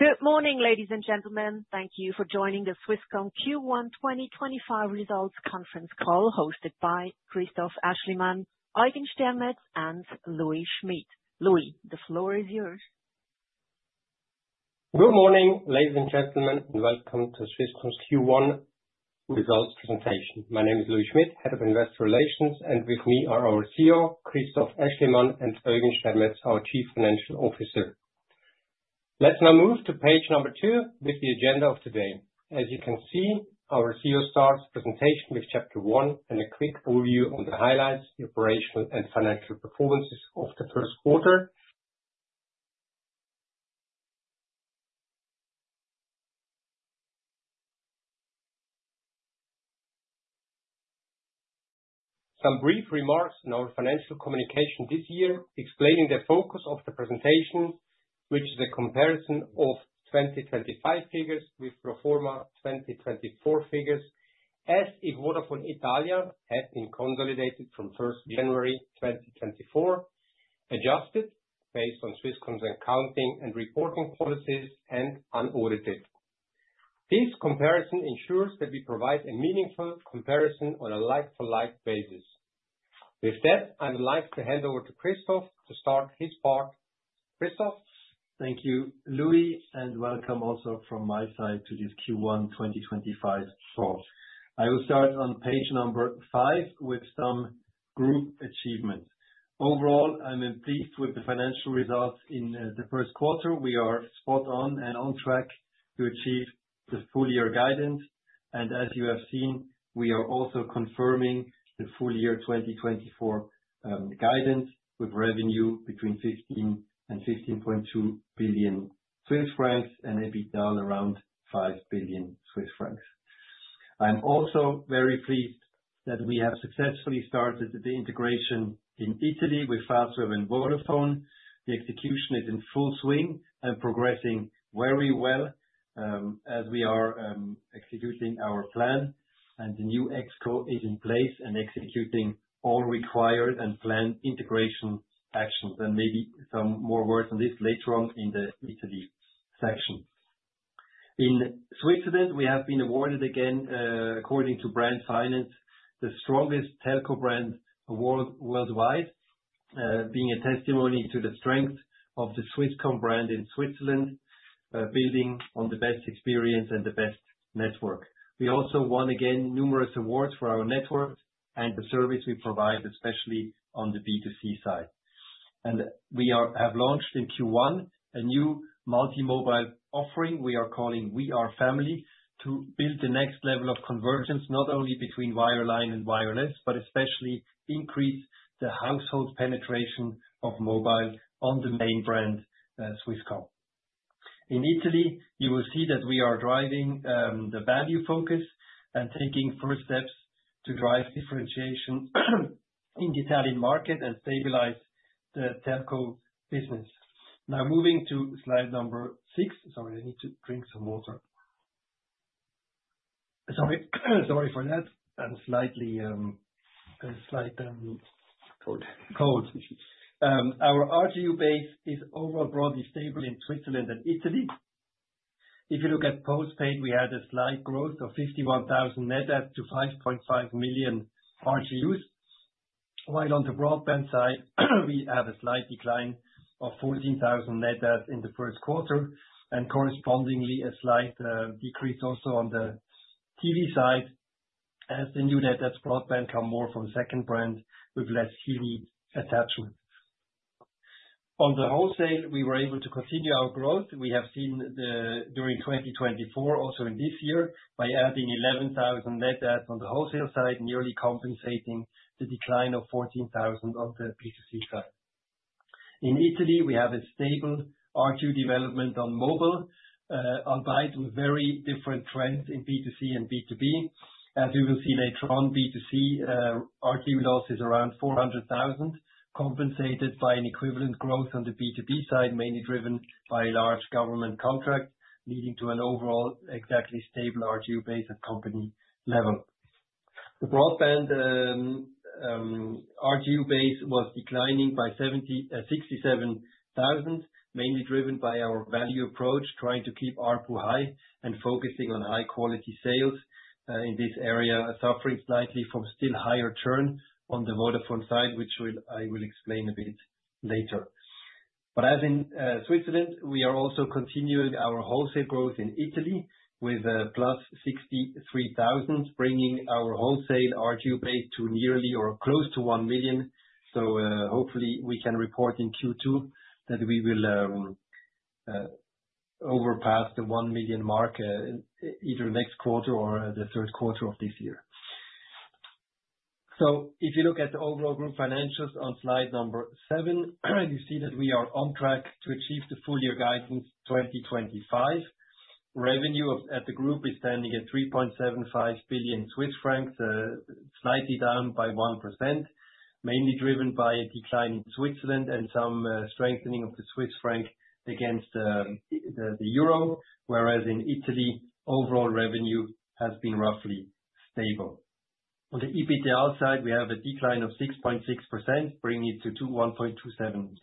Good morning, ladies and gentlemen. Thank you for joining the Swisscom Q1 2025 results conference call hosted by Christoph Aeschlimann, Eugen Stermetz, and Louis Schmid. Louis, the floor is yours. Good morning, ladies and gentlemen, and welcome to Swisscom's Q1 results presentation. My name is Louis Schmid, Head of Investor Relations, and with me are our CEO, Christoph Aeschlimann, and Eugen Stermetz, our Chief Financial Officer. Let's now move to page number two with the agenda of today. As you can see, our CEO starts the presentation with Chapter One and a quick overview of the highlights, the operational, and financial performances of the first quarter. Some brief remarks on our financial communication this year, explaining the focus of the presentation, which is a comparison of 2025 figures with pro forma 2024 figures, as if Vodafone Italia had been consolidated from 1st January 2024, adjusted based on Swisscom's accounting and reporting policies, and unaudited. This comparison ensures that we provide a meaningful comparison on a like-for-like basis. With that, I would like to hand over to Christoph to start his part. Christoph? Thank you. Louis, and welcome also from my side to this Q1 2025 talk. I will start on page number five with some group achievements. Overall, I'm pleased with the financial results in the first quarter. We are spot on and on track to achieve the full-year guidance, and as you have seen, we are also confirming the full-year 2024 guidance with revenue between 15 billion and 15.2 billion Swiss francs and EBITDA around 5 billion Swiss francs. I'm also very pleased that we have successfully started the integration in Italy with Fastweb and Vodafone. The execution is in full swing and progressing very well as we are executing our plan, and the new ExCo is in place and executing all required and planned integration actions. Maybe some more words on this later on in the Italy section. In Switzerland, we have been awarded again, according to Brand Finance, the strongest telco brand worldwide, being a testimony to the strength of the Swisscom brand in Switzerland, building on the best experience and the best network. We also won again numerous awards for our network and the service we provide, especially on the B2C side, and we have launched in Q1 a new multi-mobile offering we are calling We Are Family to build the next level of convergence, not only between wireline and wireless, but especially increase the household penetration of mobile on the main brand, Swisscom. In Italy, you will see that we are driving the value focus and taking first steps to drive differentiation in the Italian market and stabilize the telco business. Now moving to slide number six. Sorry, I need to drink some water. Sorry for that. I'm slightly cold. Our RGU base is overall broadly stable in Switzerland and Italy. If you look at postpaid, we had a slight growth of 51,000 net adds to 5.5 million RGUs. While on the broadband side, we have a slight decline of 14,000 net adds in the first quarter and correspondingly a slight decrease also on the TV side as the new net adds broadband comes more from second brands with less TV attachment. On the wholesale, we were able to continue our growth. We have seen during 2024, also in this year, by adding 11,000 net adds on the wholesale side, nearly compensating the decline of 14,000 on the B2C side. In Italy, we have a stable RGU development on mobile, albeit with very different trends in B2C and B2B. As you will see later on, B2C RGU loss is around 400,000, compensated by an equivalent growth on the B2B side, mainly driven by a large government contract, leading to an overall exactly stable RGU base at company level. The broadband RGU base was declining by 67,000, mainly driven by our value approach, trying to keep ARPU high and focusing on high-quality sales in this area, suffering slightly from still higher churn on the Vodafone side, which I will explain a bit later. But as in Switzerland, we are also continuing our wholesale growth in Italy with +63,000, bringing our wholesale RGU base to nearly or close to 1 million. So hopefully we can report in Q2 that we will surpass the 1 million mark either next quarter or the third quarter of this year. If you look at the overall group financials on slide number seven, you see that we are on track to achieve the full-year guidance 2025. Revenue at the group is standing at 3.75 billion Swiss francs, slightly down by 1%, mainly driven by a decline in Switzerland and some strengthening of the Swiss franc against the euro, whereas in Italy, overall revenue has been roughly stable. On the EBITDA side, we have a decline of 6.6%, bringing it to 1.27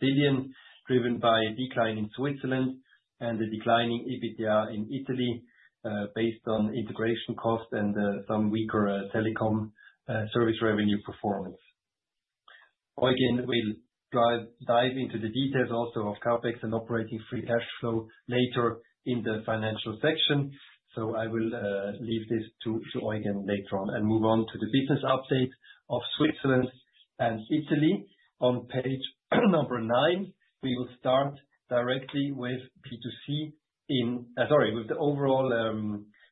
billion, driven by a decline in Switzerland and the declining EBITDA in Italy based on integration cost and some weaker telecom service revenue performance. Eugen will dive into the details also of CapEx and operating free cash flow later in the financial section. So I will leave this to Eugen later on and move on to the business update of Switzerland and Italy. On page number nine, we will start directly with B2C in, sorry, with the overall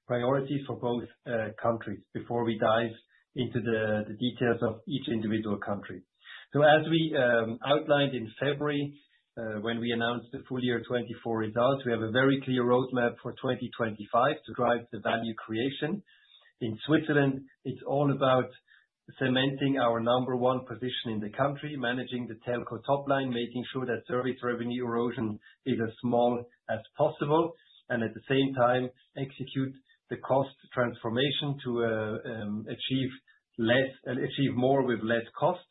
priorities for both countries before we dive into the details of each individual country. So as we outlined in February when we announced the full-year 2024 results, we have a very clear roadmap for 2025 to drive the value creation. In Switzerland, it's all about cementing our number one position in the country, managing the telco top line, making sure that service revenue erosion is as small as possible, and at the same time, execute the cost transformation to achieve more with less cost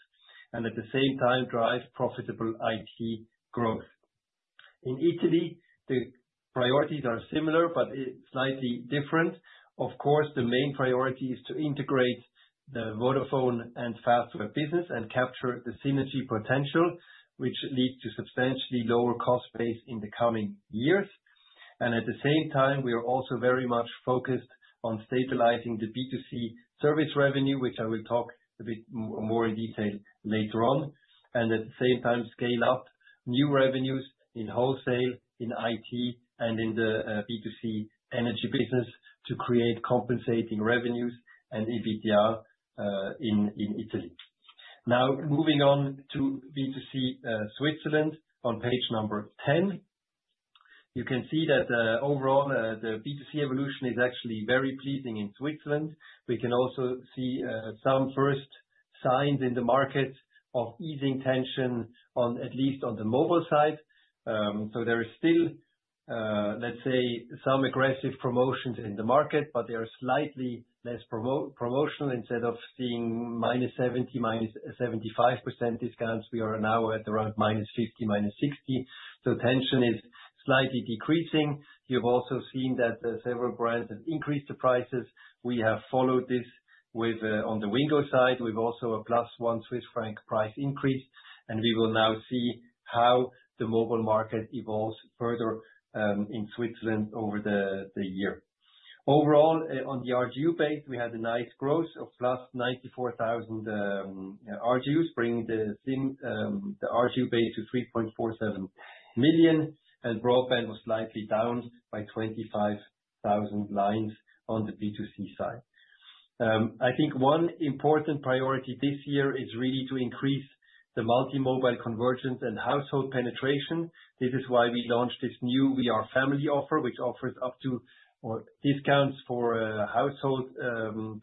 and at the same time drive profitable IT growth. In Italy, the priorities are similar, but slightly different. Of course, the main priority is to integrate the Vodafone and Fastweb business and capture the synergy potential, which leads to substantially lower cost base in the coming years. And at the same time, we are also very much focused on stabilizing the B2C service revenue, which I will talk a bit more in detail later on, and at the same time, scale up new revenues in wholesale, in IT, and in the B2C energy business to create compensating revenues and EBITDA in Italy. Now moving on to B2C Switzerland on page number 10, you can see that overall the B2C evolution is actually very pleasing in Switzerland. We can also see some first signs in the market of easing tension at least on the mobile side. So there is still, let's say, some aggressive promotions in the market, but they are slightly less promotional. Instead of seeing -70, -75% discounts, we are now at around -50, -60. So tension is slightly decreasing. You've also seen that several brands have increased the prices. We have followed this on the Wingo side. We've also a +1 Swiss franc price increase, and we will now see how the mobile market evolves further in Switzerland over the year. Overall, on the RGU base, we had a nice growth of +94,000 RGUs, bringing the RGU base to 3.47 million, and broadband was slightly down by 25,000 lines on the B2C side. I think one important priority this year is really to increase the multimobile convergence and household penetration. This is why we launched this new We Are Family offer, which offers up to discounts for household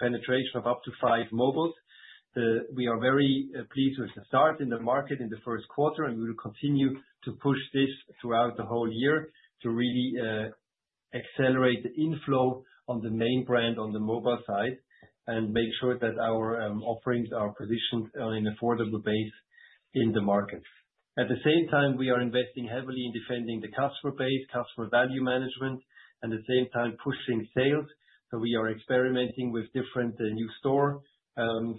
penetration of up to five mobiles. We are very pleased with the start in the market in the first quarter, and we will continue to push this throughout the whole year to really accelerate the inflow on the main brand on the mobile side and make sure that our offerings are positioned on an affordable base in the markets. At the same time, we are investing heavily in defending the customer base, customer value management, and at the same time pushing sales, so we are experimenting with different new store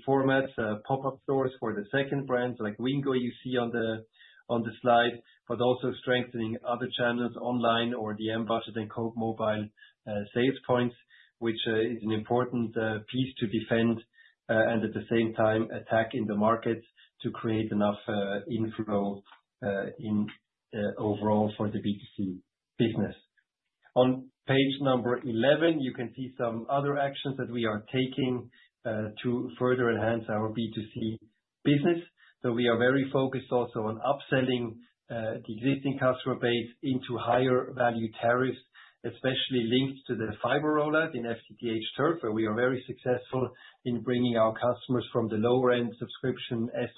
formats, pop-up stores for the second brands like Wingo, you see on the slide, but also strengthening other channels online or the M-Budget and Coop Mobile sales points, which is an important piece to defend and at the same time attack in the markets to create enough inflow overall for the B2C business. On page number 11, you can see some other actions that we are taking to further enhance our B2C business. So we are very focused also on upselling the existing customer base into higher value tariffs, especially linked to the fiber rollout in FTTH Turf, where we are very successful in bringing our customers from the lower-end subscription S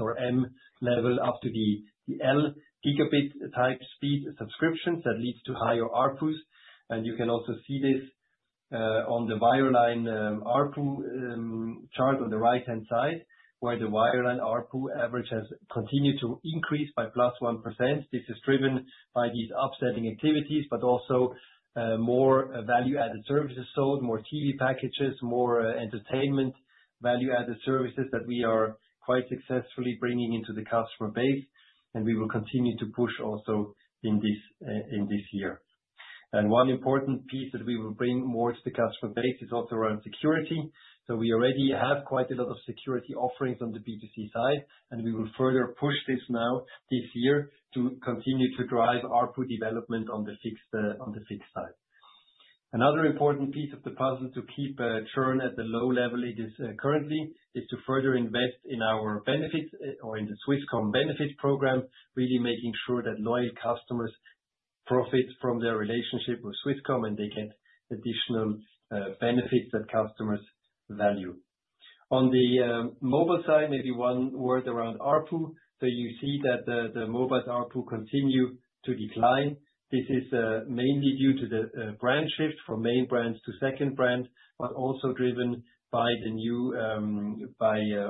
or M level up to the L gigabit type speed subscriptions that leads to higher ARPUs. And you can also see this on the wireline ARPU chart on the right-hand side, where the wireline ARPU average has continued to increase by +1%. This is driven by these upselling activities, but also more value-added services sold, more TV packages, more entertainment value-added services that we are quite successfully bringing into the customer base, and we will continue to push also in this year. One important piece that we will bring more to the customer base is also around security. We already have quite a lot of security offerings on the B2C side, and we will further push this now this year to continue to drive ARPU development on the fixed side. Another important piece of the puzzle to keep churn at the low level it is currently is to further invest in our benefits or in the Swisscom Benefits program, really making sure that loyal customers profit from their relationship with Swisscom and they get additional benefits that customers value. On the mobile side, maybe one word around ARPU. You see that the mobile ARPU continue to decline. This is mainly due to the brand shift from main brands to second brand, but also driven by the new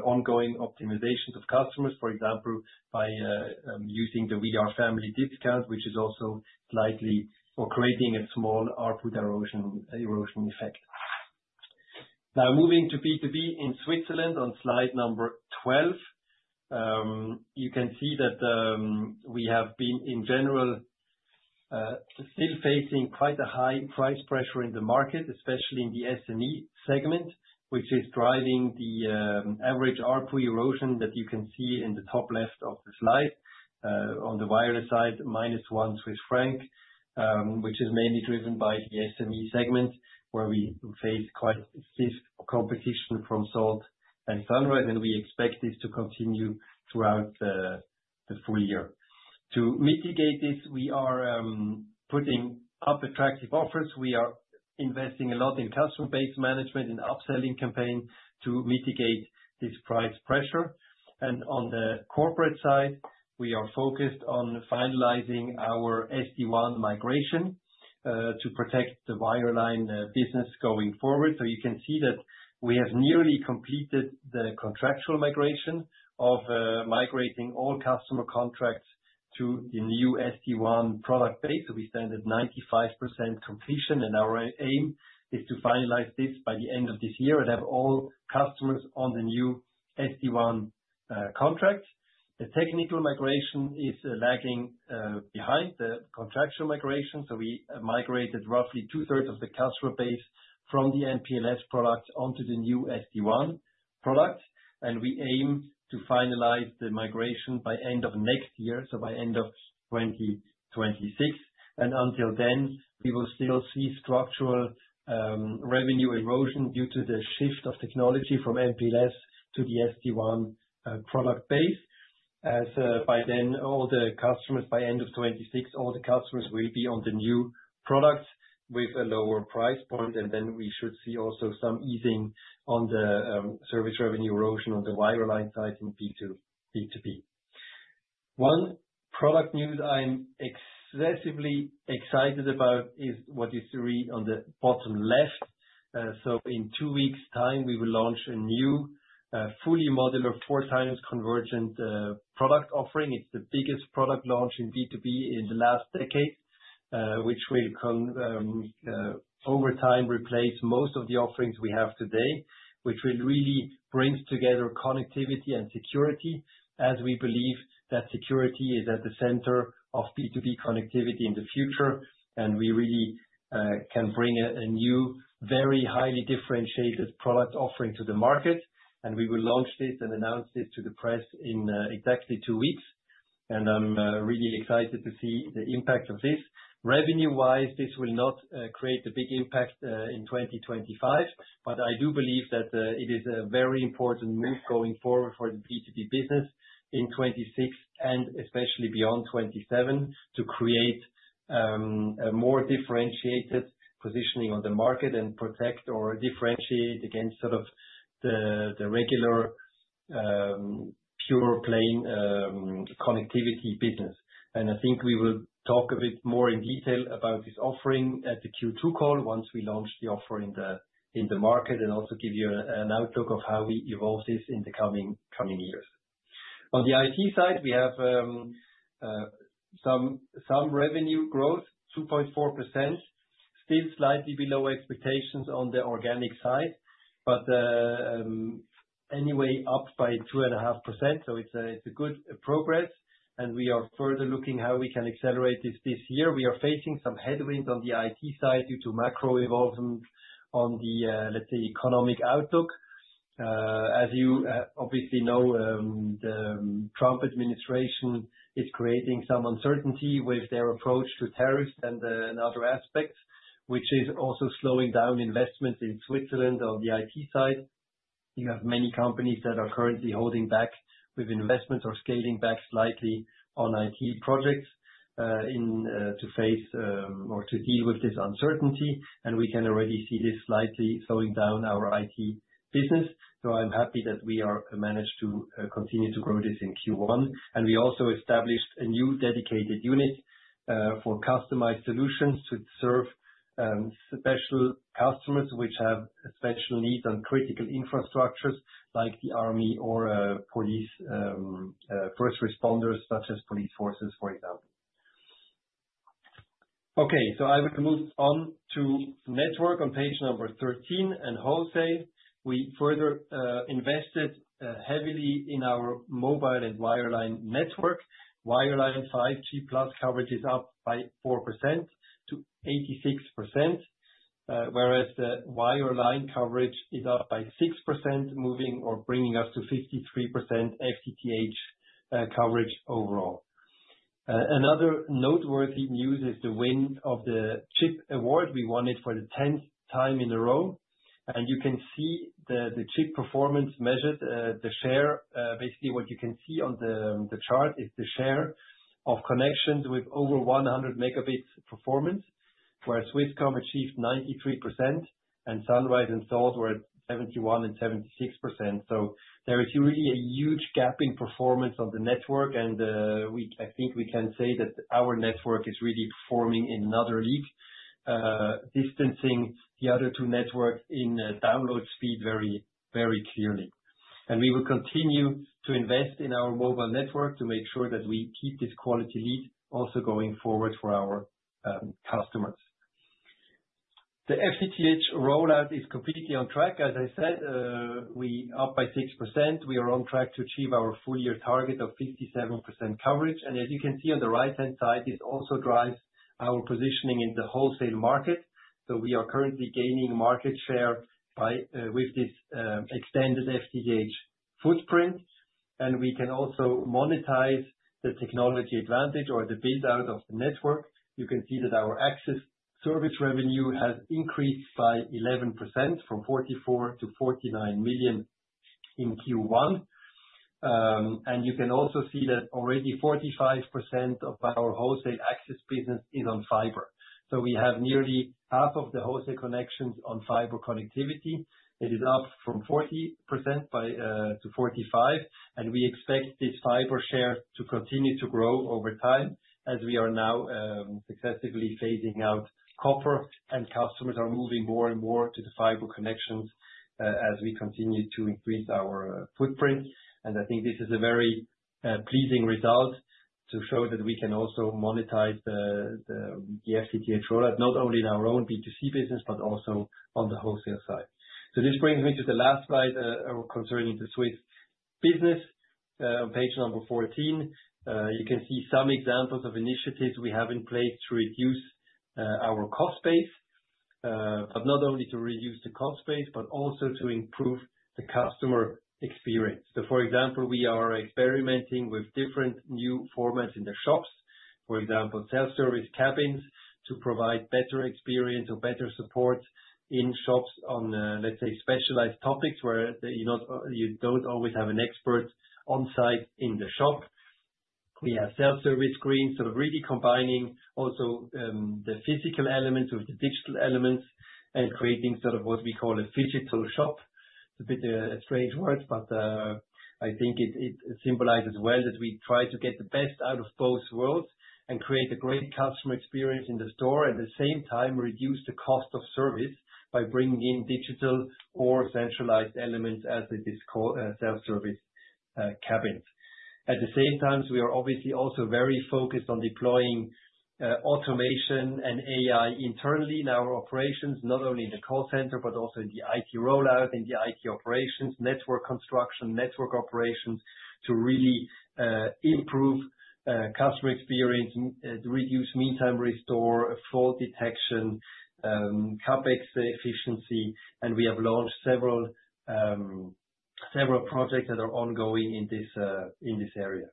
ongoing optimizations of customers, for example, by using the We Are Family discount, which is also slightly or creating a small ARPU erosion effect. Now moving to B2B in Switzerland on slide number 12, you can see that we have been in general still facing quite a high price pressure in the market, especially in the SME segment, which is driving the average ARPU erosion that you can see in the top left of the slide. On the wireless side, -1 Swiss franc, which is mainly driven by the SME segment, where we face quite stiff competition from Salt and Sunrise, and we expect this to continue throughout the full year. To mitigate this, we are putting up attractive offers. We are investing a lot in customer base management and upselling campaigns to mitigate this price pressure. And on the corporate side, we are focused on finalizing our SD-WAN migration to protect the wireline business going forward. So you can see that we have nearly completed the contractual migration of migrating all customer contracts to the new SD-WAN product base. So we stand at 95% completion, and our aim is to finalize this by the end of this year and have all customers on the new SD-WAN contract. The technical migration is lagging behind the contractual migration. So we migrated roughly two-thirds of the customer base from the MPLS product onto the new SD-WAN product, and we aim to finalize the migration by end of next year, so by end of 2026. Until then, we will still see structural revenue erosion due to the shift of technology from MPLS to the SD-WAN product base. By then, all the customers by end of 2026, all the customers will be on the new products with a lower price point, and then we should see also some easing on the service revenue erosion on the wireline side in B2B. One product news I'm excessively excited about is what you see on the bottom left. In two weeks' time, we will launch a new fully modular four-times convergent product offering. It's the biggest product launch in B2B in the last decade, which will over time replace most of the offerings we have today, which will really bring together connectivity and security as we believe that security is at the center of B2B connectivity in the future. And we really can bring a new, very highly differentiated product offering to the market, and we will launch this and announce this to the press in exactly two weeks. And I'm really excited to see the impact of this. Revenue-wise, this will not create a big impact in 2025, but I do believe that it is a very important move going forward for the B2B business in 2026 and especially beyond 2027 to create a more differentiated positioning on the market and protect or differentiate against sort of the regular pure plain connectivity business. And I think we will talk a bit more in detail about this offering at the Q2 call once we launch the offer in the market and also give you an outlook of how we evolve this in the coming years. On the IT side, we have some revenue growth, 2.4%, still slightly below expectations on the organic side, but anyway up by 2.5%. So it's a good progress, and we are further looking at how we can accelerate this this year. We are facing some headwinds on the IT side due to macro involvement on the, let's say, economic outlook. As you obviously know, the Trump administration is creating some uncertainty with their approach to tariffs and other aspects, which is also slowing down investments in Switzerland on the IT side. You have many companies that are currently holding back with investments or scaling back slightly on IT projects to face or to deal with this uncertainty, and we can already see this slightly slowing down our IT business. So I'm happy that we are managed to continue to grow this in Q1. We also established a new dedicated unit for customized solutions to serve special customers which have special needs on critical infrastructures like the army or police first responders, such as police forces, for example. Okay, I will move on to network on page number 13 and so. We further invested heavily in our mobile and wireline network. Wireless 5G plus coverage is up by 4% to 86%, whereas the wireline coverage is up by 6%, moving or bringing us to 53% FTTH coverage overall. Another noteworthy news is the win of the CHIP award. We won it for the 10th time in a row, and you can see the CHIP performance measured. The share, basically what you can see on the chart is the share of connections with over 100 megabits performance, where Swisscom achieved 93%, and Sunrise and Salt were at 71% and 76%. There is really a huge gap in performance on the network, and I think we can say that our network is really performing in another league, distancing the other two networks in download speed very clearly. We will continue to invest in our mobile network to make sure that we keep this quality lead also going forward for our customers. The FTTH rollout is completely on track. As I said, we are up by 6%. We are on track to achieve our full year target of 57% coverage. As you can see on the right-hand side, this also drives our positioning in the wholesale market. We are currently gaining market share with this extended FTTH footprint, and we can also monetize the technology advantage or the build-out of the network. You can see that our access service revenue has increased by 11% from 44 million to 49 million in Q1. And you can also see that already 45% of our wholesale access business is on fiber. So we have nearly half of the wholesale connections on fiber connectivity. It is up from 40% to 45%, and we expect this fiber share to continue to grow over time as we are now successively phasing out copper. And customers are moving more and more to the fiber connections as we continue to increase our footprint. And I think this is a very pleasing result to show that we can also monetize the FTTH rollout not only in our own B2C business, but also on the wholesale side. So this brings me to the last slide concerning the Swiss business. On page number 14, you can see some examples of initiatives we have in place to reduce our cost base, but not only to reduce the cost base, but also to improve the customer experience. So, for example, we are experimenting with different new formats in the shops, for example, self-service cabins to provide better experience or better support in shops on, let's say, specialized topics where you don't always have an expert on site in the shop. We have self-service screens sort of really combining also the physical elements with the digital elements and creating sort of what we call a Phygital shop. It's a bit of a strange word, but I think it symbolizes well that we try to get the best out of both worlds and create a great customer experience in the store and at the same time reduce the cost of service by bringing in digital or centralized elements as it is called self-service cabins. At the same time, we are obviously also very focused on deploying automation and AI internally in our operations, not only in the call center, but also in the IT rollout, in the IT operations, network construction, network operations to really improve customer experience, to reduce meantime restore, fault detection, CapEx efficiency. And we have launched several projects that are ongoing in this area.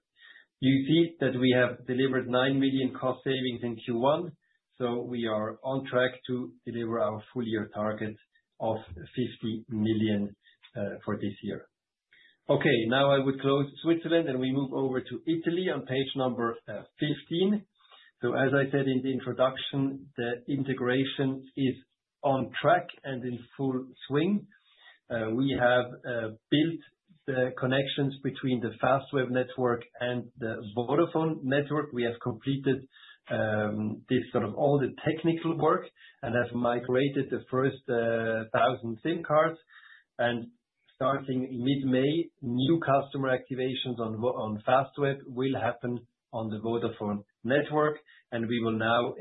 You see that we have delivered 9 million cost savings in Q1, so we are on track to deliver our full year target of 50 million for this year. Okay, now I would close Switzerland and we move over to Italy on page number 15. So, as I said in the introduction, the integration is on track and in full swing. We have built the connections between the Fastweb network and the Vodafone network. We have completed this sort of all the technical work and have migrated the first thousand SIM cards. And starting mid-May, new customer activations on Fastweb will happen on the Vodafone network, and we will now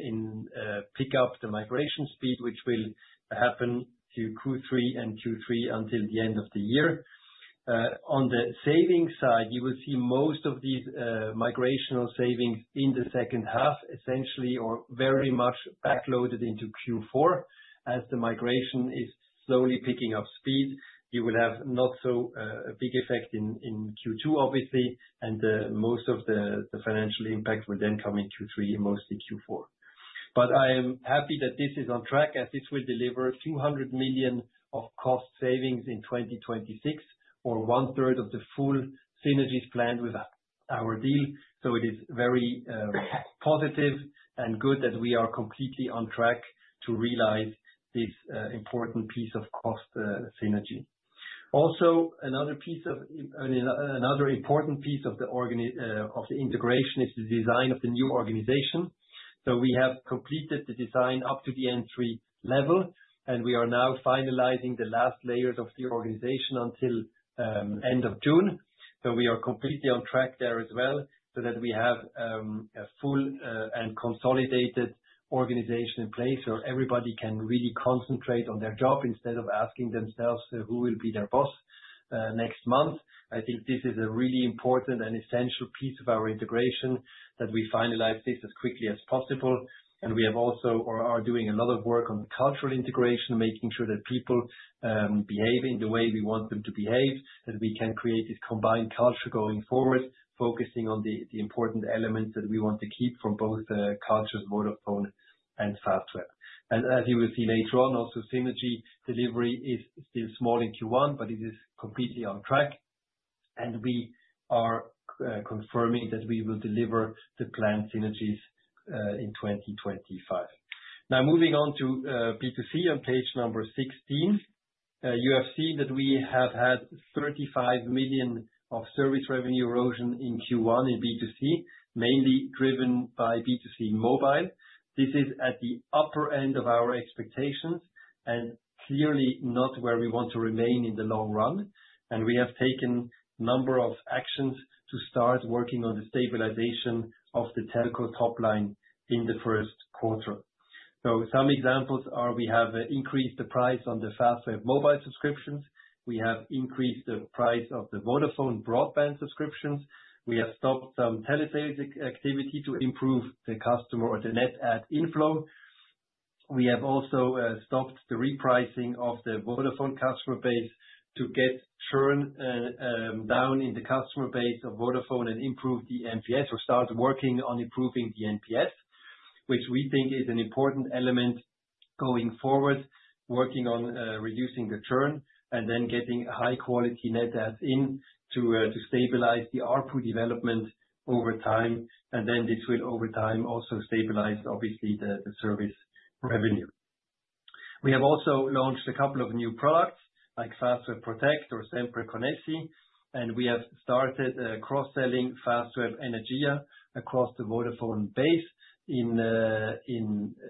pick up the migration speed, which will happen to Q3 and Q3 until the end of the year. On the savings side, you will see most of these migrational savings in the second half essentially or very much backloaded into Q4 as the migration is slowly picking up speed. You will have not so big effect in Q2, obviously, and most of the financial impact will then come in Q3 and mostly Q4. But I am happy that this is on track as this will deliver 200 million of cost savings in 2026 or one-third of the full synergies planned with our deal. So it is very positive and good that we are completely on track to realize this important piece of cost synergy. Also, another piece of another important piece of the integration is the design of the new organization. So we have completed the design up to the entry level, and we are now finalizing the last layers of the organization until the end of June. So, we are completely on track there as well so that we have a full and consolidated organization in place where everybody can really concentrate on their job instead of asking themselves who will be their boss next month. I think this is a really important and essential piece of our integration that we finalize this as quickly as possible. And we have also or are doing a lot of work on the cultural integration, making sure that people behave in the way we want them to behave, that we can create this combined culture going forward, focusing on the important elements that we want to keep from both cultures, Vodafone and Fastweb. And as you will see later on, also synergy delivery is still small in Q1, but it is completely on track. And we are confirming that we will deliver the planned synergies in 2025. Now moving on to B2C on page number 16, you have seen that we have had 35 million of service revenue erosion in Q1 in B2C, mainly driven by B2C mobile. This is at the upper end of our expectations and clearly not where we want to remain in the long run. We have taken a number of actions to start working on the stabilization of the telco top line in the first quarter. Some examples are we have increased the price on the Fastweb mobile subscriptions. We have increased the price of the Vodafone broadband subscriptions. We have stopped some telesales activity to improve the customer or the net add inflow. We have also stopped the repricing of the Vodafone customer base to get churn down in the customer base of Vodafone and improve the NPS or start working on improving the NPS, which we think is an important element going forward, working on reducing the churn and then getting high-quality net adds in to stabilize the RPU development over time. And then this will over time also stabilize, obviously, the service revenue. We have also launched a couple of new products like Fastweb Protect or Sempre Connessi, and we have started cross-selling Fastweb Energia across the Vodafone base in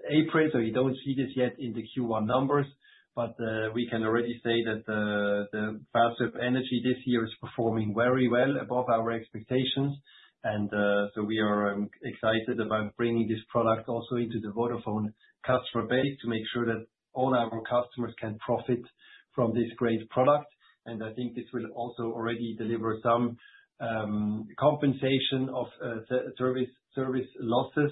April. So you don't see this yet in the Q1 numbers, but we can already say that the Fastweb Energia this year is performing very well above our expectations. And so we are excited about bringing this product also into the Vodafone customer base to make sure that all our customers can profit from this great product. And I think this will also already deliver some compensation of service losses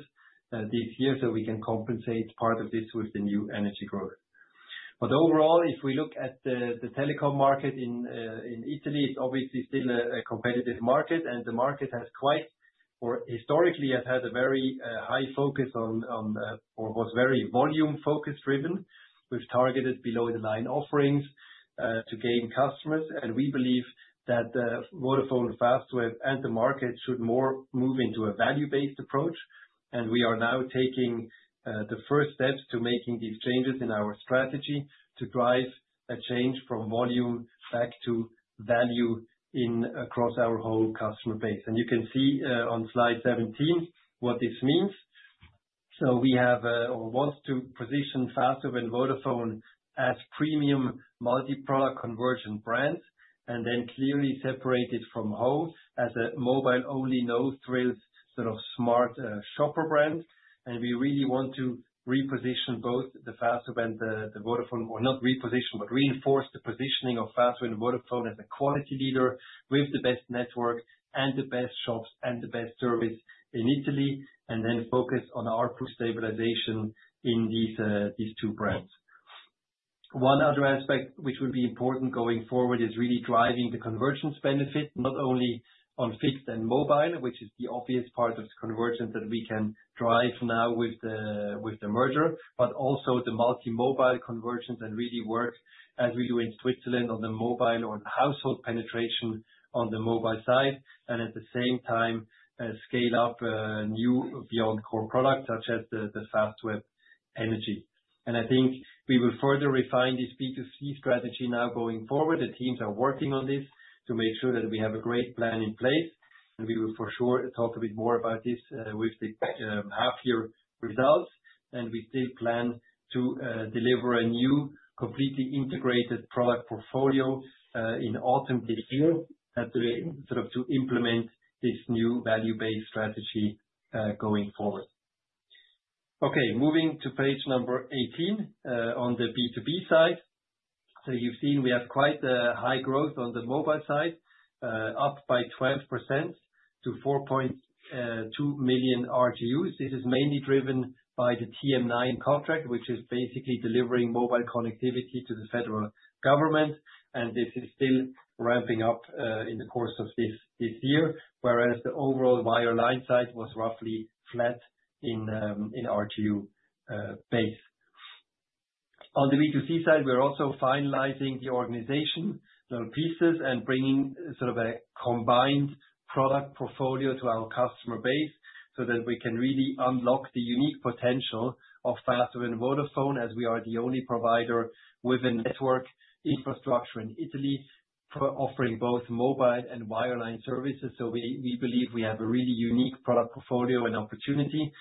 this year so we can compensate part of this with the new energy growth. But overall, if we look at the telecom market in Italy, it's obviously still a competitive market, and the market has quite or historically has had a very high focus on or was very volume-focused driven. We've targeted below-the-line offerings to gain customers, and we believe that Vodafone, Fastweb, and the market should more move into a value-based approach. And we are now taking the first steps to making these changes in our strategy to drive a change from volume back to value across our whole customer base. You can see on slide 17 what this means. We have or want to position Fastweb and Vodafone as premium multi-product converged brands and then clearly separate it from ho. Mobile as a mobile-only no-frills sort of smart shopper brand. We really want to reposition both the Fastweb and the Vodafone or not reposition, but reinforce the positioning of Fastweb and Vodafone as a quality leader with the best network and the best shops and the best service in Italy and then focus on our stabilization in these two brands. One other aspect which will be important going forward is really driving the convergence benefit, not only on fixed and mobile, which is the obvious part of the convergence that we can drive now with the merger, but also the multi-mobile convergence and really work as we do in Switzerland on the mobile or household penetration on the mobile side and at the same time scale up new beyond core products such as the Fastweb Energia. And I think we will further refine this B2C strategy now going forward. The teams are working on this to make sure that we have a great plan in place. And we will for sure talk a bit more about this with the half-year results. And we still plan to deliver a new completely integrated product portfolio in autumn this year sort of to implement this new value-based strategy going forward. Okay, moving to page number 18 on the B2B side. So you've seen we have quite a high growth on the mobile side, up by 12% to 4.2 million RGUs. This is mainly driven by the TM9 contract, which is basically delivering mobile connectivity to the federal government. And this is still ramping up in the course of this year, whereas the overall wireline side was roughly flat in RGU base. On the B2C side, we're also finalizing the organization pieces and bringing sort of a combined product portfolio to our customer base so that we can really unlock the unique potential of Fastweb and Vodafone as we are the only provider with a network infrastructure in Italy offering both mobile and wireline services. So we believe we have a really unique product portfolio and opportunity.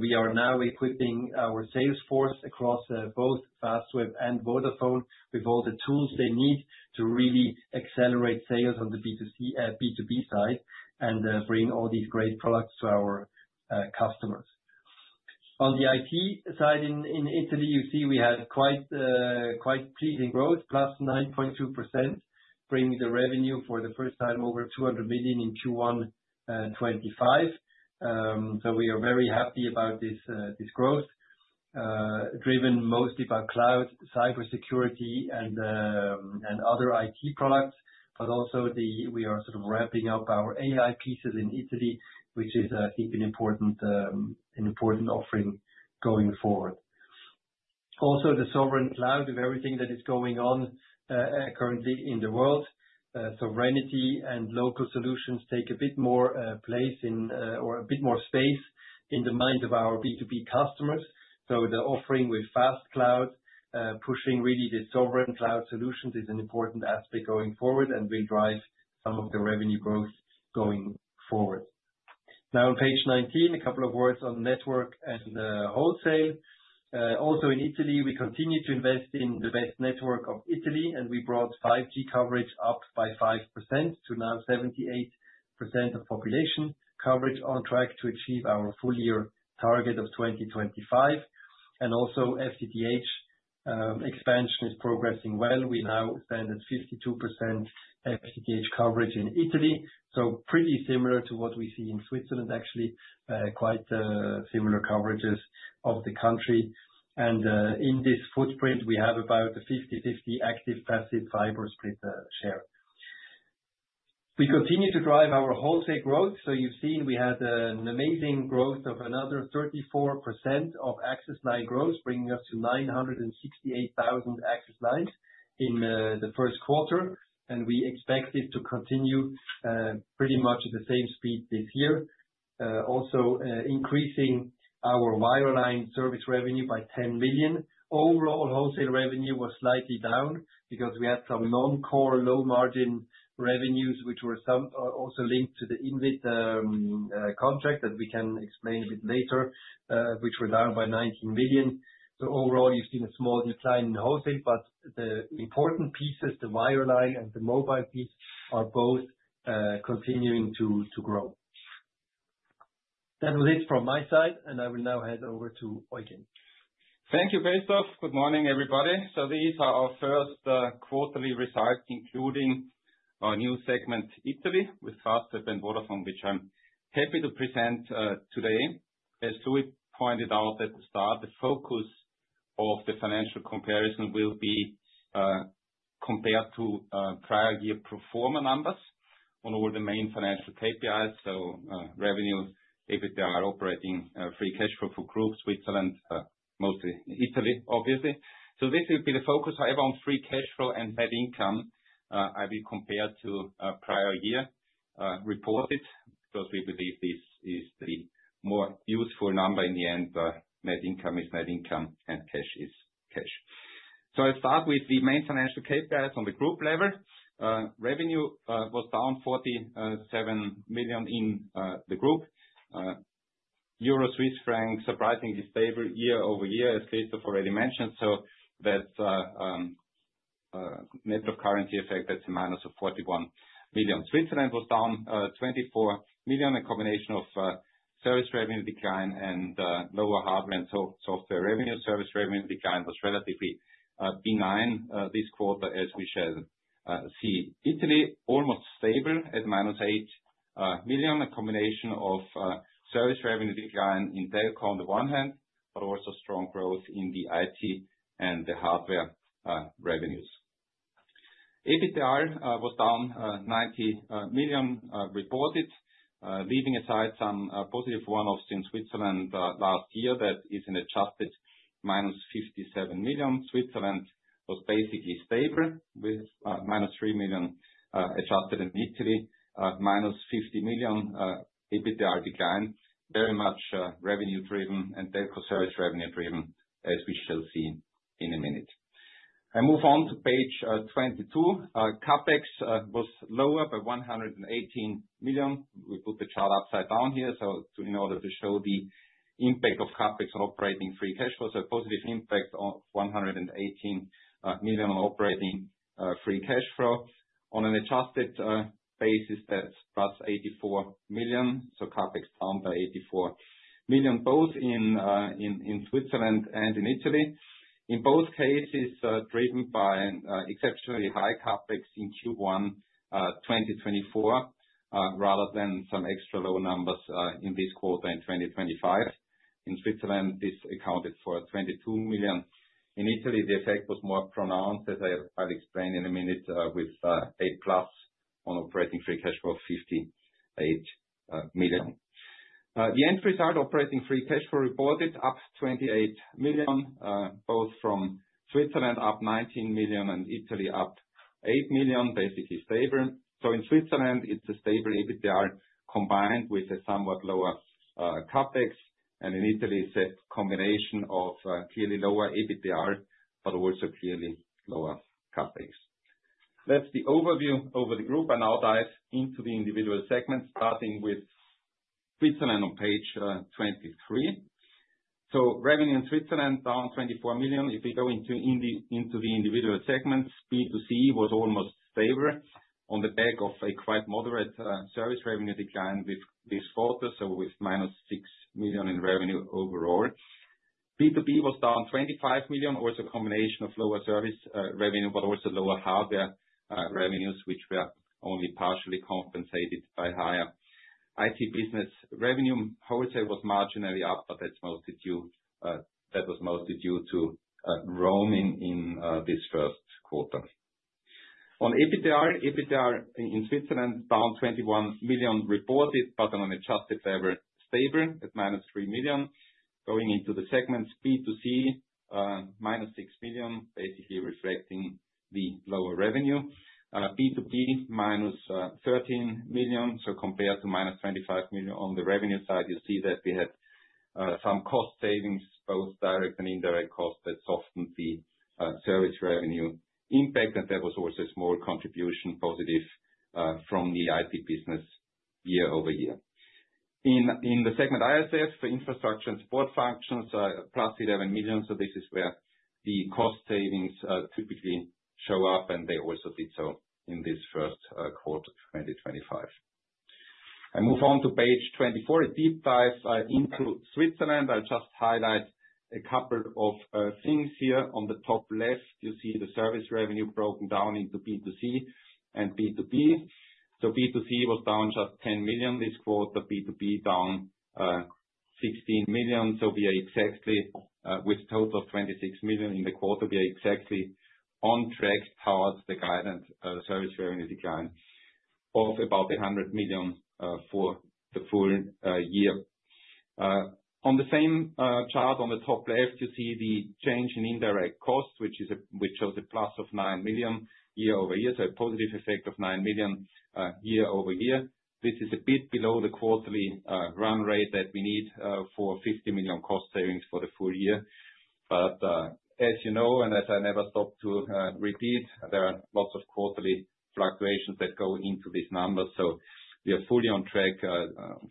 We are now equipping our sales force across both Fastweb and Vodafone with all the tools they need to really accelerate sales on the B2B side and bring all these great products to our customers. On the IT side in Italy, you see we had quite pleasing growth, 9.2%, bringing the revenue for the first time over 200 million in Q1 2025. We are very happy about this growth, driven mostly by cloud, cybersecurity, and other IT products, but also we are sort of ramping up our AI pieces in Italy, which is, I think, an important offering going forward. Also, the sovereign cloud of everything that is going on currently in the world. Sovereignty and local solutions take a bit more place in or a bit more space in the minds of our B2B customers. So the offering with FastCloud, pushing really the sovereign cloud solutions is an important aspect going forward and will drive some of the revenue growth going forward. Now on page 19, a couple of words on network and wholesale. Also in Italy, we continue to invest in the best network of Italy, and we brought 5G coverage up by 5% to now 78% of population. Coverage on track to achieve our full year target of 2025. And also FTTH expansion is progressing well. We now stand at 52% FTTH coverage in Italy. So pretty similar to what we see in Switzerland, actually quite similar coverages of the country. And in this footprint, we have about a 50-50 active-passive fiber split share. We continue to drive our wholesale growth. So you've seen we had an amazing growth of another 34% of access line growth, bringing us to 968,000 access lines in the first quarter. And we expect it to continue pretty much at the same speed this year. Also increasing our wireline service revenue by 10 million. Overall wholesale revenue was slightly down because we had some non-core low margin revenues, which were also linked to the INWIT contract that we can explain a bit later, which were down by 19 million. So overall, you've seen a small decline in wholesale, but the important pieces, the wireline and the mobile piece are both continuing to grow. That was it from my side, and I will now hand over to Eugen. Thank you, Christoph. Good morning, everybody. So these are our first quarterly results, including our new segment, Italy, with Fastweb and Vodafone, which I'm happy to present today. As Louis pointed out at the start, the focus of the financial comparison will be compared to prior year pro forma numbers on all the main financial KPIs. So revenue, EBITDA, operating free cash flow for group, Switzerland, Italy, obviously. So this will be the focus. However, on free cash flow and net income, I will compare to prior year reported because we believe this is the more useful number in the end. Net income is net income and cash is cash. So I'll start with the main financial KPIs on the group level. Revenue was down 47 million in the group. Euro-Swiss franc, surprisingly stable year over year, as Christoph already mentioned. So that net of currency effect, that's a minus of 41 million. Switzerland was down 24 million. A combination of service revenue decline and lower hardware and software revenue. Service revenue decline was relatively benign this quarter, as we shall see. Italy, almost stable at -8 million. A combination of service revenue decline in telco on the one hand, but also strong growth in the IT and the hardware revenues. EBITDA was down 90 million reported, leaving aside some positive one-offs in Switzerland last year that is an adjusted -57 million. Switzerland was basically stable with -3 million adjusted in Italy, -50 million EBITDA decline. Very much revenue-driven and telco service revenue-driven, as we shall see in a minute. I move on to page 22. Capex was lower by 118 million. We put the chart upside down here. So in order to show the impact of Capex on operating free cash flow, so a positive impact of 118 million on operating free cash flow on an adjusted basis, that's +84 million. CapEx down by 84 million, both in Switzerland and in Italy. In both cases, driven by exceptionally high CapEx in Q1 2024, rather than some extra low numbers in this quarter in 2025. In Switzerland, this accounted for 22 million. In Italy, the effect was more pronounced, as I'll explain in a minute, with 8 plus on operating free cash flow, 58 million. The end result, operating free cash flow reported up 28 million, both from Switzerland, up 19 million, and Italy, up 8 million, basically stable. In Switzerland, it's a stable EBITDA combined with a somewhat lower CapEx. And in Italy, it's a combination of clearly lower EBITDA, but also clearly lower CapEx. That's the overview over the group. I now dive into the individual segments, starting with Switzerland on page 23. Revenue in Switzerland down 24 million. If we go into the individual segments, B2C was almost stable on the back of a quite moderate service revenue decline with this quarter, so with -6 million in revenue overall. B2B was down 25 million, also a combination of lower service revenue, but also lower hardware revenues, which were only partially compensated by higher IT business revenue. Wholesale was marginally up, but that's mostly due to roaming in this first quarter. On EBITDA, EBITDA in Switzerland down 21 million reported, but on an adjusted level, stable at -3 million. Going into the segments, B2C -6 million, basically reflecting the lower revenue. B2B -13 million. So compared to -25 million on the revenue side, you see that we had some cost savings, both direct and indirect costs that softened the service revenue impact. And there was also a small positive contribution from the IT business year over year. In the segment, ISF for infrastructure and support functions, +11 million. So this is where the cost savings typically show up, and they also did so in this first quarter of 2025. I move on to page 24, a deep dive into Switzerland. I'll just highlight a couple of things here. On the top left, you see the service revenue broken down into B2C and B2B. So B2C was down just 10 million this quarter. B2B down 16 million. So we are exactly with a total of 26 million in the quarter. We are exactly on track towards the guidance service revenue decline of about 100 million for the full year. On the same chart, on the top left, you see the change in indirect costs, which shows a plus of nine million year over year, so a positive effect of nine million year over year. This is a bit below the quarterly run rate that we need for 50 million cost savings for the full year. But as you know, and as I never stop to repeat, there are lots of quarterly fluctuations that go into these numbers. So we are fully on track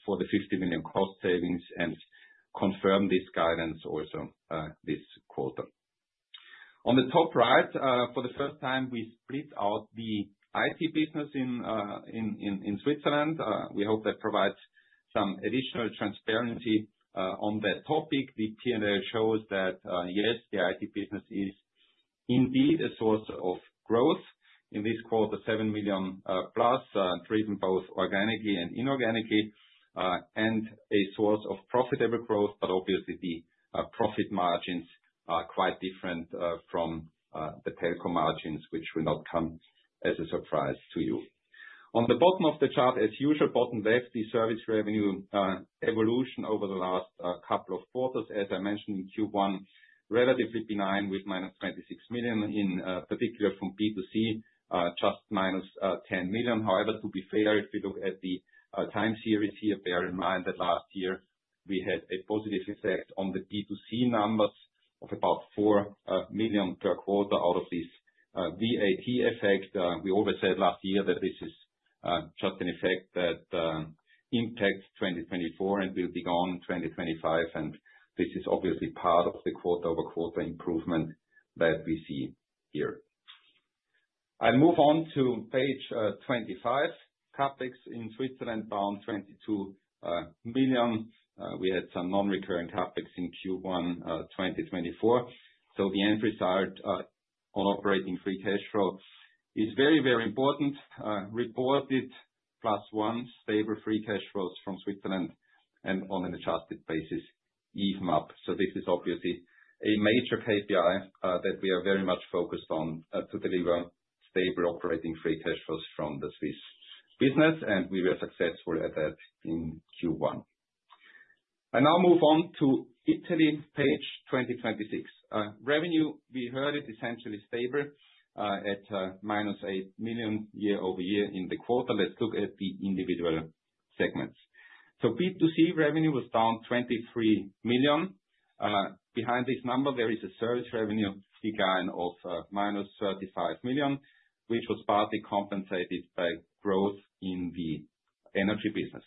for the 50 million cost savings and confirm this guidance also this quarter. On the top right, for the first time, we split out the IT business in Switzerland. We hope that provides some additional transparency on that topic. The P&L shows that, yes, the IT business is indeed a source of growth in this quarter, seven million plus, driven both organically and inorganically, and a source of profitable growth. But obviously, the profit margins are quite different from the telco margins, which will not come as a surprise to you. On the bottom of the chart, as usual, bottom left, the service revenue evolution over the last couple of quarters, as I mentioned in Q1, relatively benign with -26 million, in particular from B2C, just -10 million. However, to be fair, if we look at the time series here, bear in mind that last year we had a positive effect on the B2C numbers of about four million per quarter out of this VAT effect. We always said last year that this is just an effect that impacts 2024 and will be gone in 2025. This is obviously part of the quarter-over-quarter improvement that we see here. I'll move on to page 25. CapEx in Switzerland down 22 million. We had some non-recurring CapEx in Q1 2024. The end result on operating free cash flow is very, very important. Reported plus one, stable free cash flows from Switzerland and on an adjusted basis, EBITDA. This is obviously a major KPI that we are very much focused on to deliver stable operating free cash flows from the Swiss business. We were successful at that in Q1. I now move on to Italy, page 26. Revenue, we heard it essentially stable at -8 million year over year in the quarter. Let's look at the individual segments. B2C revenue was down 23 million. Behind this number, there is a service revenue decline of -35 million, which was partly compensated by growth in the energy business.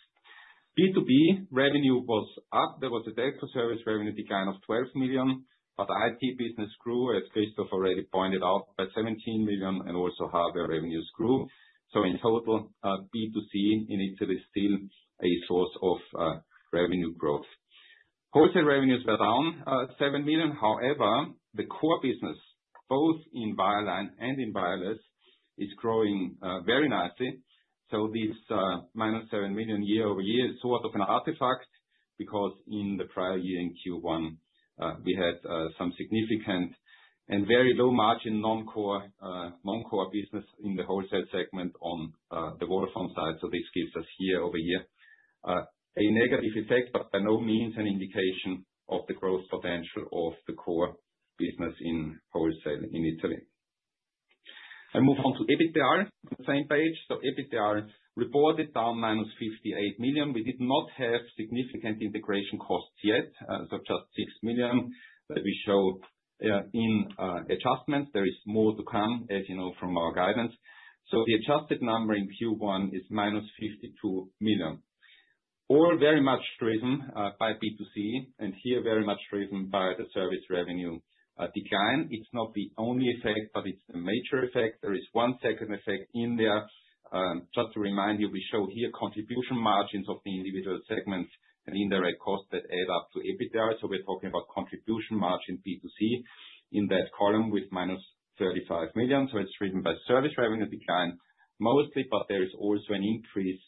B2B revenue was up. There was a delta service revenue decline of 12 million, but IT business grew, as Christoph already pointed out, by 17 million and also hardware revenues grew. So in total, B2C in Italy is still a source of revenue growth. Wholesale revenues were down 7 million. However, the core business, both in wireline and in wireless, is growing very nicely. So this -7 million year over year is sort of an artifact because in the prior year in Q1, we had some significant and very low margin non-core business in the wholesale segment on the Vodafone side. So this gives us year over year a negative effect, but by no means an indication of the growth potential of the core business in wholesale in Italy. I move on to EBITDA on the same page. So EBITDA reported down -58 million. We did not have significant integration costs yet, so just 6 million that we show in adjustments. There is more to come, as you know, from our guidance. So the adjusted number in Q1 is -52 million, all very much driven by B2C and here very much driven by the service revenue decline. It's not the only effect, but it's a major effect. There is one second effect in there. Just to remind you, we show here contribution margins of the individual segments and indirect costs that add up to EBITDA. So we're talking about contribution margin B2C in that column with -35 million. It's driven by service revenue decline mostly, but there is also an increase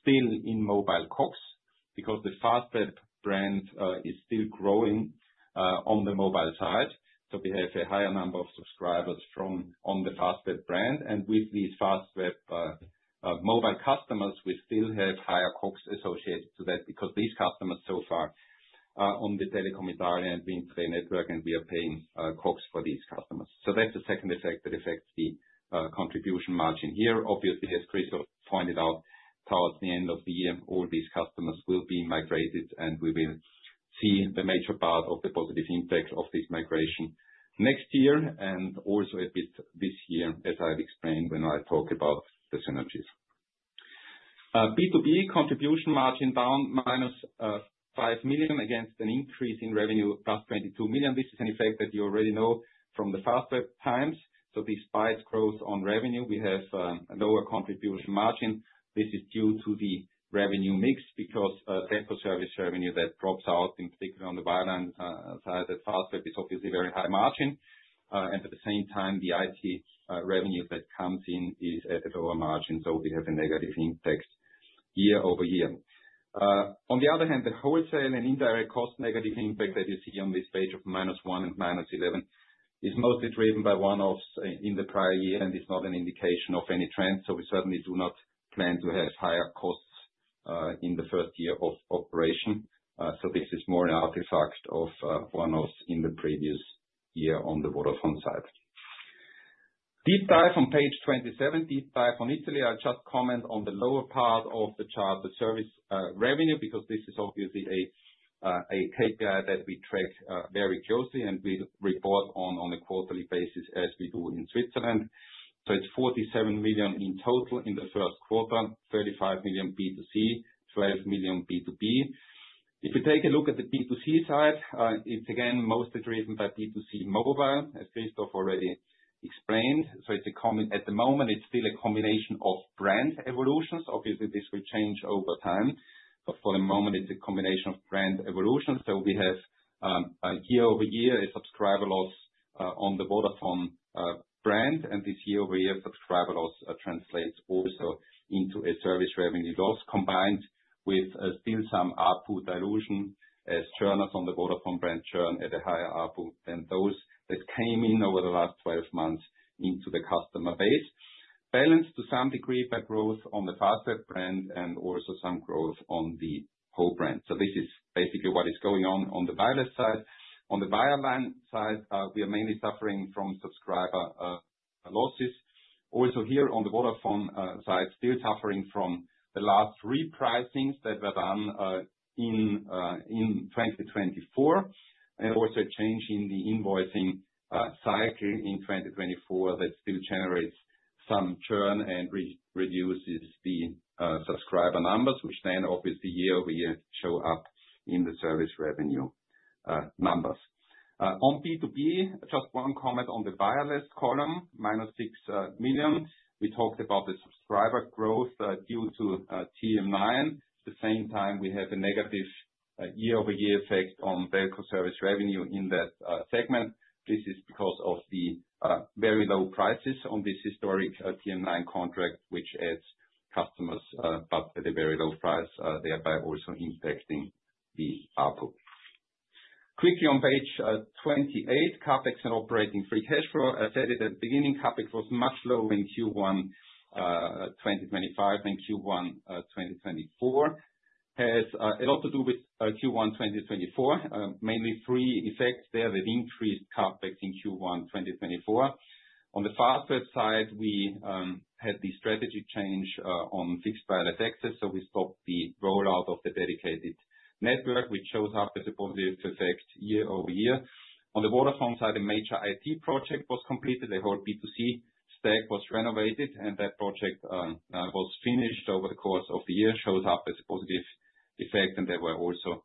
still in mobile COGS because the Fastweb brand is still growing on the mobile side. We have a higher number of subscribers from the Fastweb brand. With these Fastweb mobile customers, we still have higher COGS associated to that because these customers so far on the Telecom Italia and Vodafone network, and we are paying COGS for these customers. That's the second effect that affects the contribution margin here. Obviously, as Christoph pointed out, towards the end of the year, all these customers will be migrated, and we will see the major part of the positive impact of this migration next year and also a bit this year, as I've explained when I talk about the synergies. B2B contribution margin down -5 million against an increase in revenue +22 million. This is an effect that you already know from the Fastweb times. So despite growth on revenue, we have a lower contribution margin. This is due to the revenue mix because central service revenue that drops out, in particular on the wireline side, that Fastweb is obviously very high margin. And at the same time, the IT revenue that comes in is at a lower margin. So we have a negative impact year over year. On the other hand, the wholesale and indirect cost negative impact that you see on this page of -1 and -11 is mostly driven by one-offs in the prior year, and it's not an indication of any trend. So we certainly do not plan to have higher costs in the first year of operation. So this is more an artifact of one-offs in the previous year on the Vodafone side. Deep dive on page 27, deep dive on Italy. I'll just comment on the lower part of the chart, the service revenue, because this is obviously a KPI that we track very closely and we report on a quarterly basis as we do in Switzerland. So it's 47 million in total in the first quarter, 35 million B2C, 12 million B2B. If we take a look at the B2C side, it's again mostly driven by B2C mobile, as Christoph already explained. So it's common at the moment, it's still a combination of brand evolutions. Obviously, this will change over time. But for the moment, it's a combination of brand evolutions. So we have year over year a subscriber loss on the Vodafone brand. This year over year, subscriber loss translates also into a service revenue loss combined with still some ARPU dilution as churners on the Vodafone brand churn at a higher ARPU than those that came in over the last 12 months into the customer base. Balanced to some degree by growth on the Fastweb brand and also some growth on the ho. Mobile brand. So this is basically what is going on on the wireless side. On the wireline side, we are mainly suffering from subscriber losses. Also here on the Vodafone side, still suffering from the last repricings that were done in 2024 and also a change in the invoicing cycle in 2024 that still generates some churn and reduces the subscriber numbers, which then obviously year over year show up in the service revenue numbers. On B2B, just one comment on the wireless column, -6 million. We talked about the subscriber growth due to TM9. At the same time, we have a negative year-over-year effect on telco service revenue in that segment. This is because of the very low prices on this historic TM9 contract, which adds customers, but at a very low price, thereby also impacting the output. Quickly on page 28, CapEx and operating free cash flow. I said it at the beginning, CapEx was much lower in Q1 2025 than Q1 2024. It has a lot to do with Q1 2024, mainly three effects there that increased CapEx in Q1 2024. On the Fastweb side, we had the strategy change on fixed wireless access. So we stopped the rollout of the dedicated network, which shows up as a positive effect year-over-year. On the Vodafone side, a major IT project was completed. The whole B2C stack was renovated, and that project was finished over the course of the year, shows up as a positive effect. And there were also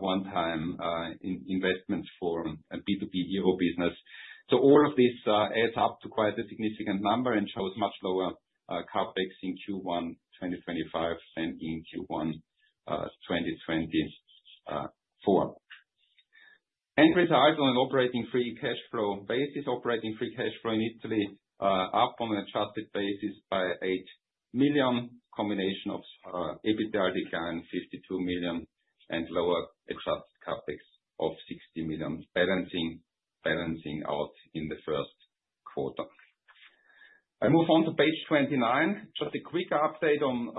one-time investments for a B2B Euro business. So all of this adds up to quite a significant number and shows much lower CapEx in Q1 2025 than in Q1 2024. End result on an operating free cash flow basis. Operating free cash flow in Italy up on an adjusted basis by 8 million, combination of EBITDA decline 52 million and lower adjusted CapEx of 60 million, balancing out in the first quarter. I move on to page 29. Just a quick update on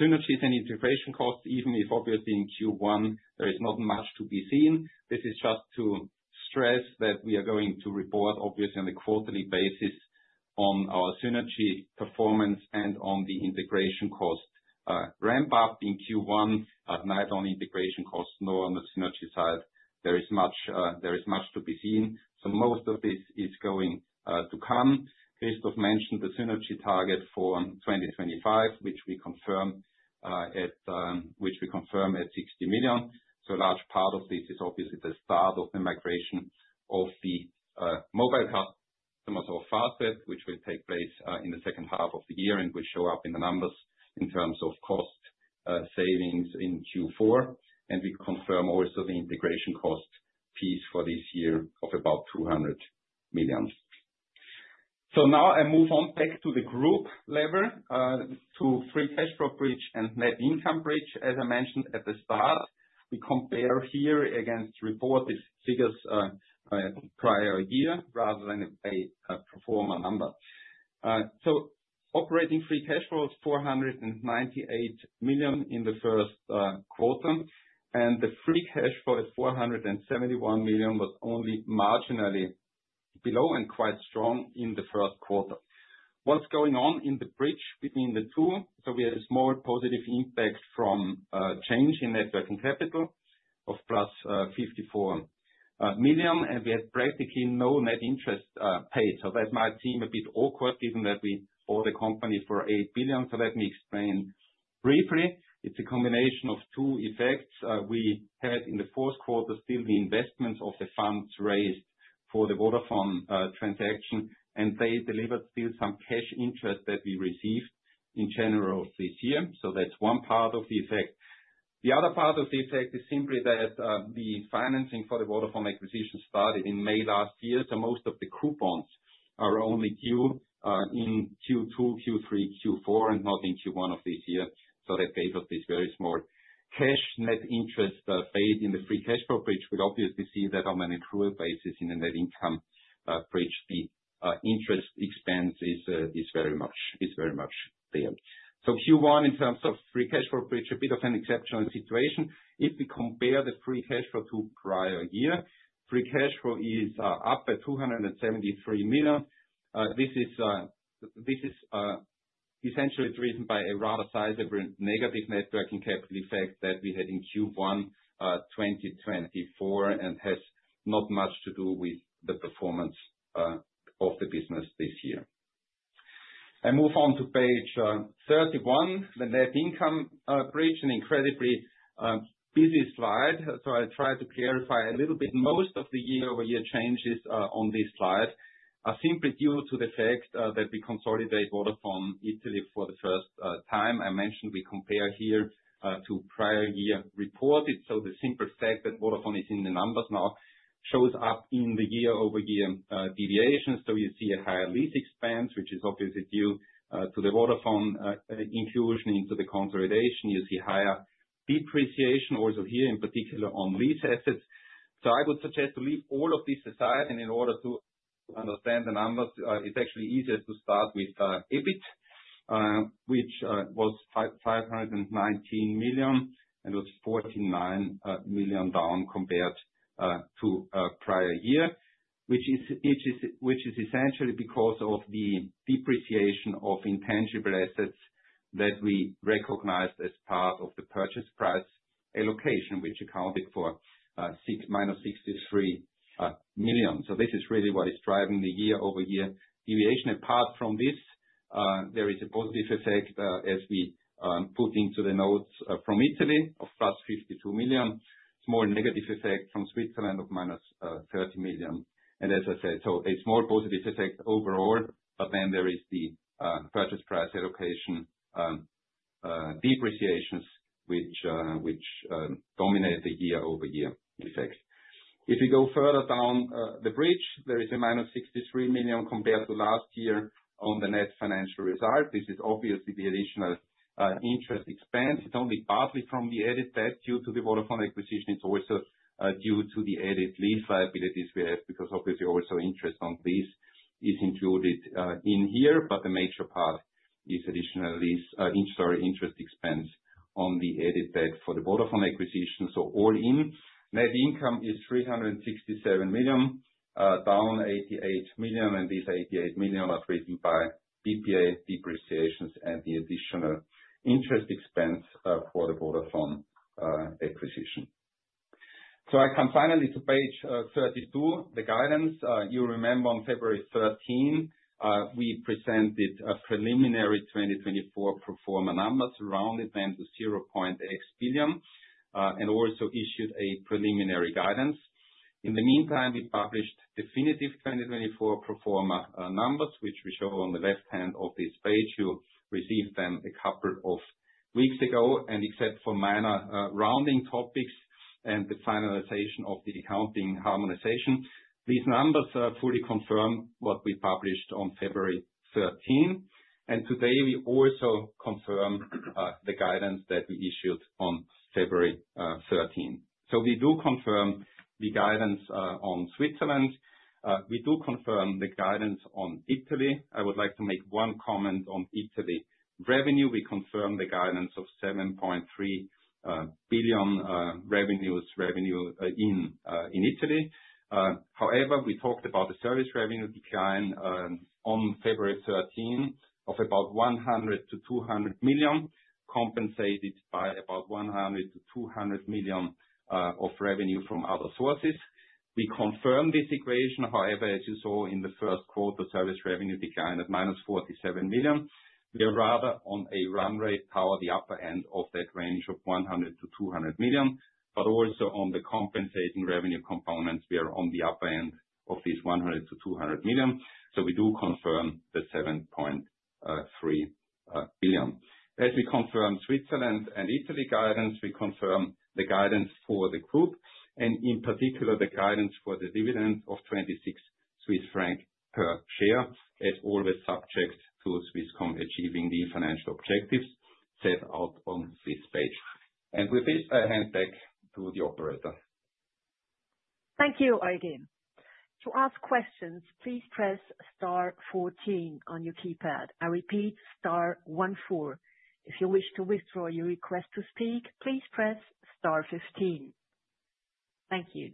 synergies and integration costs, even if obviously in Q1 there is not much to be seen. This is just to stress that we are going to report, obviously, on a quarterly basis on our synergy performance and on the integration cost ramp-up in Q1, but not only integration costs, nor on the synergy side, there is much to be seen, so most of this is going to come. Christoph mentioned the synergy target for 2025, which we confirm at 60 million. So a large part of this is obviously the start of the migration of the mobile customers of Fastweb, which will take place in the second half of the year and will show up in the numbers in terms of cost savings in Q4, and we confirm also the integration cost piece for this year of about 200 million, so now I move on back to the group level to free cash flow bridge and net income bridge. As I mentioned at the start, we compare here against reported figures prior year rather than a pro forma number. So operating free cash flow is 498 million in the first quarter, and the free cash flow is 471 million was only marginally below and quite strong in the first quarter. What's going on in the bridge between the two? So we had a small positive impact from change in net working capital of +54 million, and we had practically no net interest paid. So that might seem a bit awkward given that we bought a company for 8 billion. So let me explain briefly. It's a combination of two effects. We had in the fourth quarter still the investments of the funds raised for the Vodafone transaction, and they delivered still some cash interest that we received in general this year. So that's one part of the effect. The other part of the effect is simply that the financing for the Vodafone acquisition started in May last year. So most of the coupons are only due in Q2, Q3, Q4, and not in Q1 of this year. So that gave us this very small cash net interest paid in the free cash flow bridge. We obviously see that on an accrual basis in the net income bridge; the interest expense is very much there. So Q1, in terms of free cash flow bridge, is a bit of an exceptional situation. If we compare the free cash flow to prior year, free cash flow is up at 273 million. This is essentially driven by a rather sizable negative working capital effect that we had in Q1 2024 and has not much to do with the performance of the business this year. I move on to page 31, the net income bridge, an incredibly busy slide. So I'll try to clarify a little bit. Most of the year over year changes on this slide are simply due to the fact that we consolidate Vodafone Italia for the first time. I mentioned we compare here to prior year reported. So the simple fact that Vodafone is in the numbers now shows up in the year over year deviation. So you see a higher lease expense, which is obviously due to the Vodafone inclusion into the consolidation. You see higher depreciation also here in particular on lease assets. So I would suggest to leave all of this aside. In order to understand the numbers, it's actually easier to start with EBIT, which was 519 million and was 49 million down compared to prior year, which is essentially because of the depreciation of intangible assets that we recognized as part of the purchase price allocation, which accounted for -63 million. This is really what is driving the year over year deviation. Apart from this, there is a positive effect as we put into the notes from Italy of +52 million, small negative effect from Switzerland of -30 million. As I said, so a small positive effect overall, but then there is the purchase price allocation depreciations, which dominate the year over year effect. If we go further down the bridge, there is a -63 million compared to last year on the net financial result. This is obviously the additional interest expense. It's only partly from the net debt due to the Vodafone acquisition. It's also due to the additional lease liabilities we have because obviously also interest on lease is included in here, but the major part is additional lease interest expense on the net debt for the Vodafone acquisition. So all in, net income is 367 million, down 88 million, and these 88 million are driven by PPA depreciations and the additional interest expense for the Vodafone acquisition. So I come finally to page 32, the guidance. You remember on February 13, we presented a preliminary 2024 full year numbers rounded them to 0.X billion and also issued a preliminary guidance. In the meantime, we published definitive 2024 full year numbers, which we show on the left hand of this page. You received them a couple of weeks ago. Except for minor rounding topics and the finalization of the accounting harmonization, these numbers fully confirm what we published on February 13. Today we also confirm the guidance that we issued on February 13. We do confirm the guidance on Switzerland. We do confirm the guidance on Italy. I would like to make one comment on Italy revenue. We confirm the guidance of 7.3 billion revenues in Italy. However, we talked about the service revenue decline on February 13 of about 100 million-200 million, compensated by about 100 million-200 million of revenue from other sources. We confirm this equation. However, as you saw in the first quarter, service revenue declined at -47 million. We are rather on a run rate toward the upper end of that range of 100 million- 200 million, but also on the compensating revenue components, we are on the upper end of these 100 million-200 million. So we do confirm the 7.3 billion. As we confirm Switzerland and Italy guidance, we confirm the guidance for the group and in particular the guidance for the dividend of 26 Swiss francs per share, as always subject to Swisscom achieving the financial objectives set out on this page. And with this, I hand back to the operator. Thank you, Eugen. To ask questions, please press star 14 on your keypad. I repeat, star 14. If you wish to withdraw your request to speak, please press star 15. Thank you.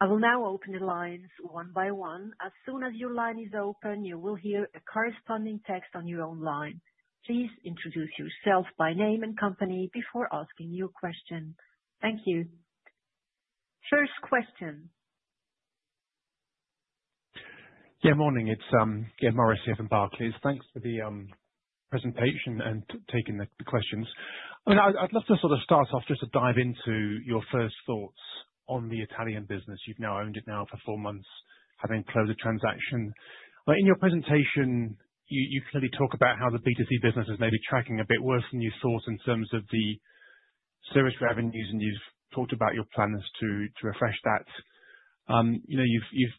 I will now open the lines one by one. As soon as your line is open, you will hear a corresponding text on your own line. Please introduce yourself by name and company before asking your question. Thank you. First question. Yeah, morning. It's Maurice Patrick. Thanks for the presentation and taking the questions. I'd love to sort of start off just to dive into your first thoughts on the Italian business. You've now owned it now for four months, having closed a transaction. In your presentation, you clearly talk about how the B2C business is maybe tracking a bit worse than you thought in terms of the service revenues, and you've talked about your plans to refresh that. You've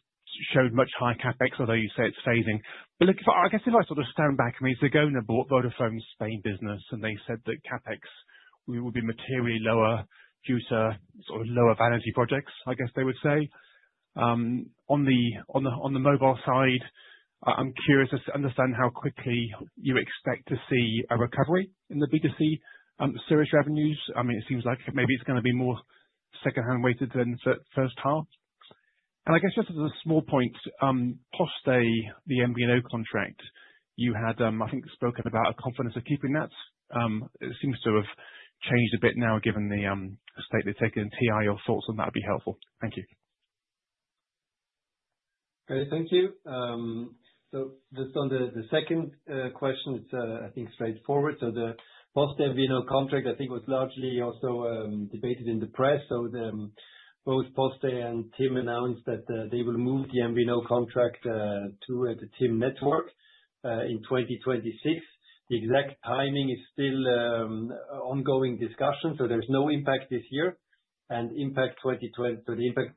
showed much higher CapEx, although you say it's fading. But I guess if I sort of stand back, I mean, Zegona bought Vodafone Spain, and they said that CapEx would be materially lower due to sort of lower vanity projects, I guess they would say. On the mobile side, I'm curious to understand how quickly you expect to see a recovery in the B2C service revenues. I mean, it seems like maybe it's going to be more second half weighted than the first half. And I guess just as a small point, post the MVNO contract, you had, I think, spoken about a confidence of keeping that. It seems to have changed a bit now given the stance they've taken. TIM, your thoughts on that would be helpful. Thank you. Thank you. So just on the second question, it's, I think, straightforward. So the Poste MVNO contract, I think, was largely also debated in the press. So both Poste and TIM announced that they will move the MVNO contract to the TIM network in 2026. The exact timing is still ongoing discussion. So there's no impact this year. And impact 2020, so the impact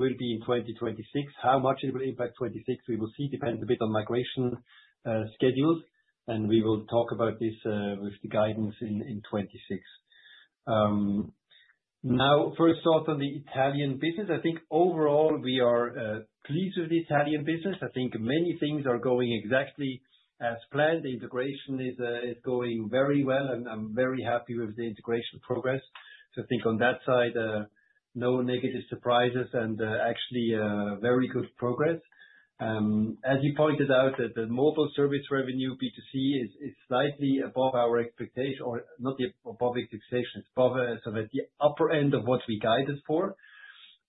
will be in 2026. How much it will impact 2026, we will see, depends a bit on migration schedules. And we will talk about this with the guidance in 2026. Now, first thoughts on the Italian business. I think overall we are pleased with the Italian business. I think many things are going exactly as planned. The integration is going very well. I'm very happy with the integration progress. So I think on that side, no negative surprises and actually very good progress. As you pointed out, the mobile service revenue B2C is slightly above our expectation, or not above expectations, above the upper end of what we guided for.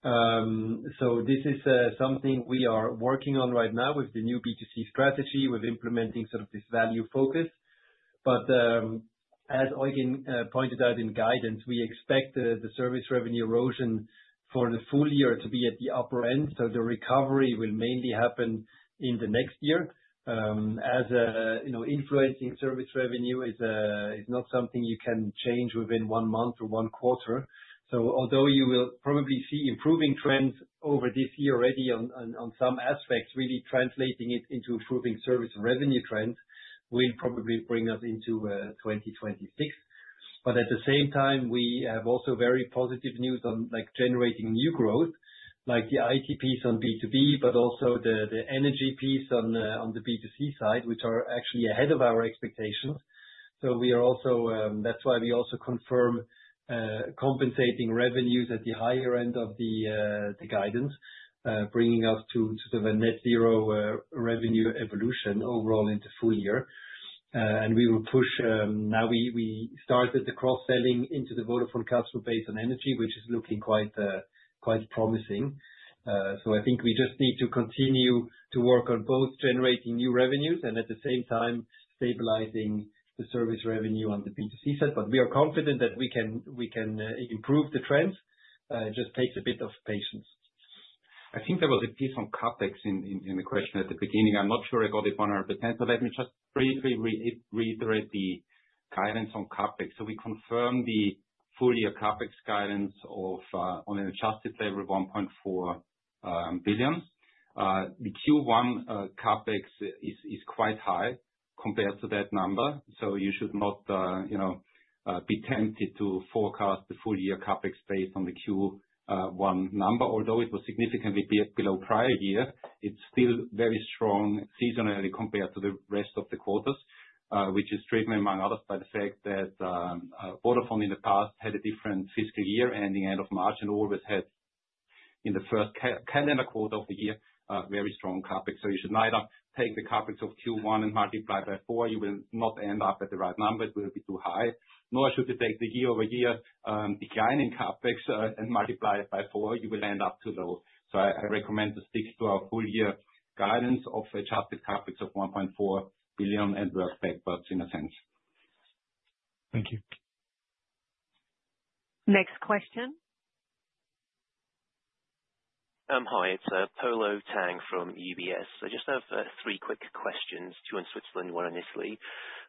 So this is something we are working on right now with the new B2C strategy. We're implementing sort of this value focus. But as Eugen pointed out in guidance, we expect the service revenue erosion for the full year to be at the upper end. So the recovery will mainly happen in the next year. As influencing service revenue is not something you can change within one month or one quarter. So although you will probably see improving trends over this year already on some aspects, really translating it into improving service revenue trends will probably bring us into 2026. But at the same time, we have also very positive news on generating new growth, like the IT piece on B2B, but also the energy piece on the B2C side, which are actually ahead of our expectations. So that's why we also confirm compensating revenues at the higher end of the guidance, bringing us to the net zero revenue evolution overall in the full year. And we will push. Now we started the cross-selling into the Vodafone customer base on energy, which is looking quite promising. So I think we just need to continue to work on both generating new revenues and at the same time stabilizing the service revenue on the B2C side. But we are confident that we can improve the trends. It just takes a bit of patience. I think there was a piece on CapEx in the question at the beginning. I'm not sure I got it 100%, but let me just briefly reiterate the guidance on CapEx. So we confirm the full year CapEx guidance on an adjusted level of 1.4 billion. The Q1 CapEx is quite high compared to that number. So you should not be tempted to forecast the full year CapEx based on the Q1 number. Although it was significantly below prior year, it's still very strong seasonally compared to the rest of the quarters, which is driven among others by the fact that Vodafone in the past had a different fiscal year ending end of March and always had in the first calendar quarter of the year very strong CapEx. So you should neither take the CapEx of Q1 and multiply by four. You will not end up at the right number. It will be too high. Nor should you take the year over year declining CapEx and multiply it by four. You will end up too low. So I recommend to stick to our full year guidance of adjusted CapEx of 1.4 billion and work backwards in a sense. Thank you. Next question. Hi, it's Polo Tang from UBS. I just have three quick questions, two in Switzerland, one in Italy.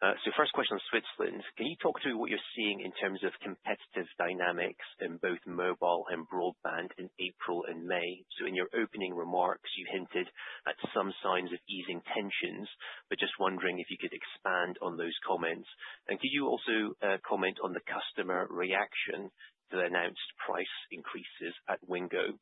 So first question on Switzerland. Can you talk to what you're seeing in terms of competitive dynamics in both mobile and broadband in April and May? So in your opening remarks, you hinted at some signs of easing tensions, but just wondering if you could expand on those comments. And could you also comment on the customer reaction to the announced price increases at Wingo?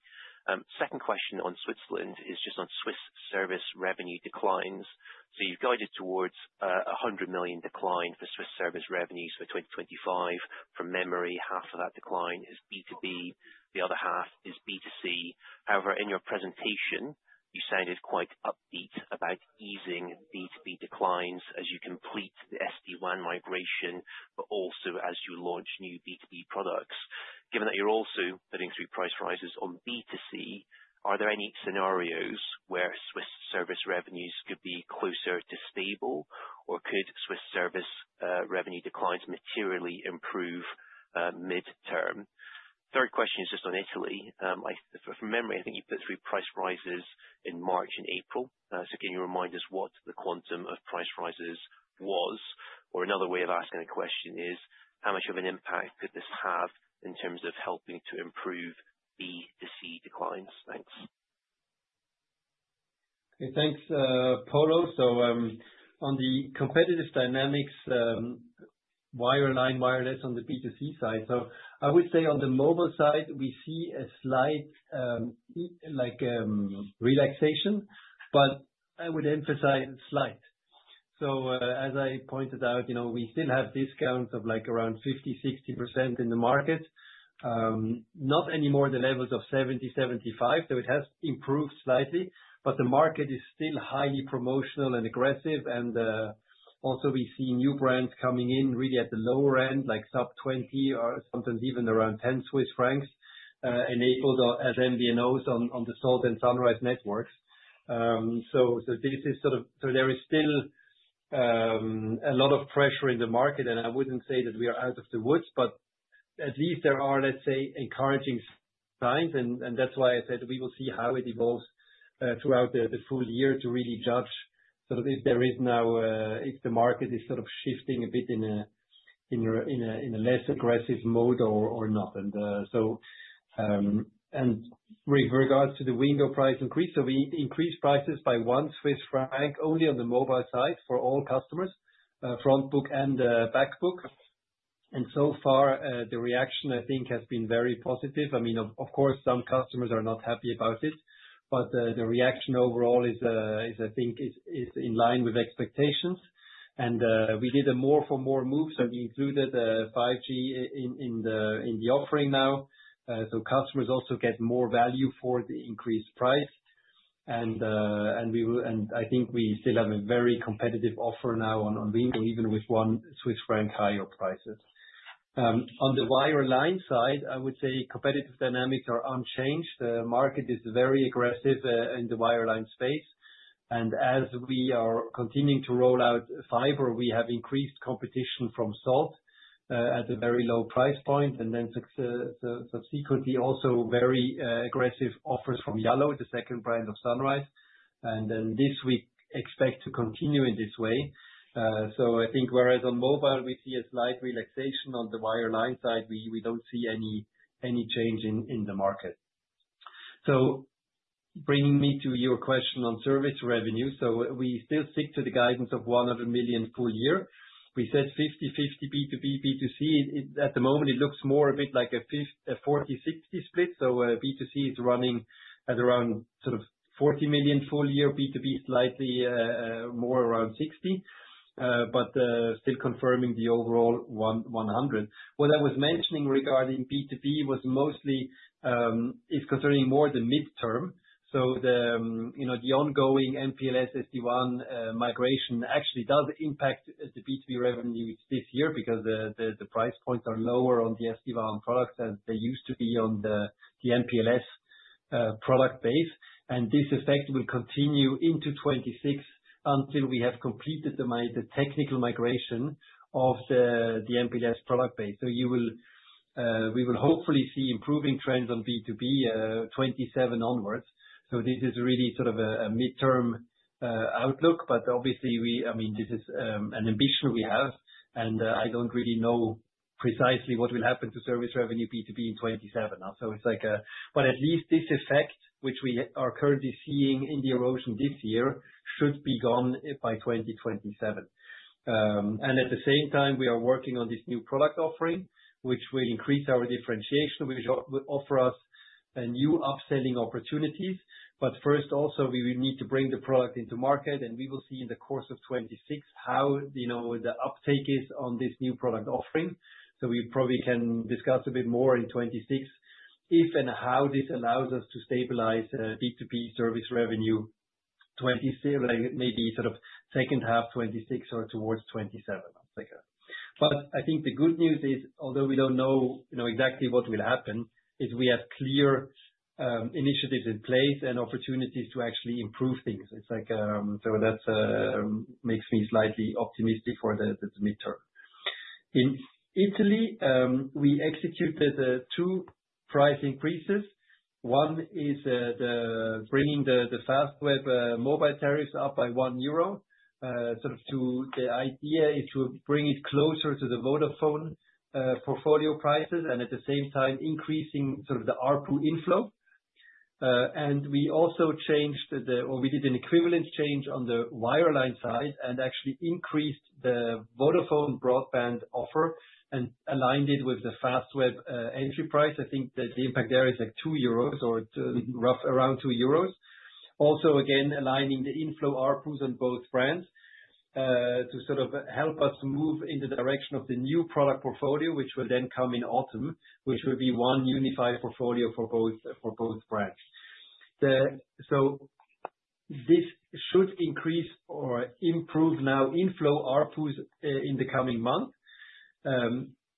Second question on Switzerland is just on Swiss service revenue declines. So you've guided towards a 100 million decline for Swiss service revenues for 2025. From memory, half of that decline is B2B. The other half is B2C. However, in your presentation, you sounded quite upbeat about easing B2B declines as you complete the SD-WAN migration, but also as you launch new B2B products. Given that you're also putting through price rises on B2C, are there any scenarios where Swiss service revenues could be closer to stable, or could Swiss service revenue declines materially improve midterm? Third question is just on Italy. From memory, I think you put through price rises in March and April. So can you remind us what the quantum of price rises was? Or another way of asking a question is, how much of an impact could this have in terms of helping to improve B2C declines? Thanks. Thanks, Polo. On the competitive dynamics, wireline, wireless on the B2C side, I would say on the mobile side we see a slight relaxation, but I would emphasize slight. As I pointed out, we still have discounts of around 50%-60% in the market. Not anymore the levels of 70%-75%. It has improved slightly, but the market is still highly promotional and aggressive. Also we see new brands coming in really at the lower end, like sub 20 or sometimes even around 10 Swiss francs enabled as MVNOs on the Salt and Sunrise networks. This is sort of, so there is still a lot of pressure in the market, and I wouldn't say that we are out of the woods, but at least there are, let's say, encouraging signs. And that's why I said we will see how it evolves throughout the full year to really judge sort of if there is now, if the market is sort of shifting a bit in a less aggressive mode or not. And with regards to the Wingo price increase, so we increased prices by 1 Swiss franc only on the mobile side for all customers, front book and back book. And so far, the reaction, I think, has been very positive. I mean, of course, some customers are not happy about it, but the reaction overall is, I think, is in line with expectations. And we did a more for more move, so we included 5G in the offering now. So customers also get more value for the increased price. And I think we still have a very competitive offer now on Wingo, even with 1 Swiss franc higher prices. On the wireline side, I would say competitive dynamics are unchanged. The market is very aggressive in the wireline space, and as we are continuing to roll out fiber, we have increased competition from Salt at a very low price point, and then subsequently also very aggressive offers from Yallo, the second brand of Sunrise. And then this week expect to continue in this way. I think whereas on mobile, we see a slight relaxation, on the wireline side, we don't see any change in the market. Bringing me to your question on service revenue, we still stick to the guidance of 100 million full year. We said 50, 50 B2B, B2C. At the moment, it looks more a bit like a 40, 60 split. B2C is running at around sort of 40 million full year, B2B slightly more around 60 million, but still confirming the overall 100 million. What I was mentioning regarding B2B was mostly is concerning more the midterm. So the ongoing MPLS SD-WAN migration actually does impact the B2B revenues this year because the price points are lower on the SD-WAN products as they used to be on the MPLS product base. And this effect will continue into 2026 until we have completed the technical migration of the MPLS product base. So we will hopefully see improving trends on B2B 27 onwards. So this is really sort of a midterm outlook, but obviously, I mean, this is an ambition we have. And I don't really know precisely what will happen to service revenue B2B in 2027. It's like a, but at least this effect, which we are currently seeing in the erosion this year, should be gone by 2027. At the same time, we are working on this new product offering, which will increase our differentiation, which will offer us new upselling opportunities. First, also, we will need to bring the product into market, and we will see in the course of 2026 how the uptake is on this new product offering. We probably can discuss a bit more in 2026 if and how this allows us to stabilize B2B service revenue maybe sort of second half 2026 or towards 2027. I think the good news is, although we don't know exactly what will happen, is we have clear initiatives in place and opportunities to actually improve things. That makes me slightly optimistic for the midterm. In Italy, we executed two price increases. One is bringing the Fastweb mobile tariffs up by 1 euro. Sort of the idea is to bring it closer to the Vodafone portfolio prices and at the same time increasing sort of the ARPU inflow. And we also changed the, or we did an equivalent change on the wireline side and actually increased the Vodafone broadband offer and aligned it with the Fastweb entry price. I think the impact there is like 2 euros or roughly around 2 euros. Also, again, aligning the inflow ARPUs on both brands to sort of help us move in the direction of the new product portfolio, which will then come in autumn, which will be one unified portfolio for both brands. So this should increase or improve now inflow ARPUs in the coming month.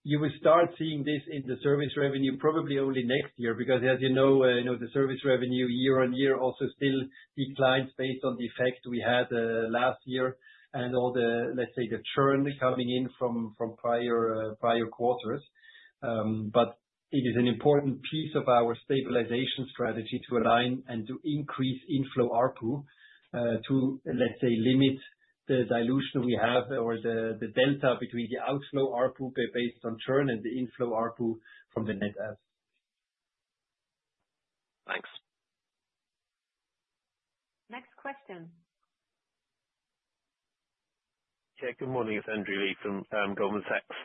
You will start seeing this in the service revenue probably only next year because, as you know, the service revenue year on year also still declines based on the effect we had last year and all the, let's say, the churn coming in from prior quarters. But it is an important piece of our stabilization strategy to align and to increase inflow ARPU to, let's say, limit the dilution we have or the delta between the outflow ARPU based on churn and the inflow ARPU from the net adds. Thanks. Next question. Okay, good morning. It's Andrew Lee from Goldman Sachs.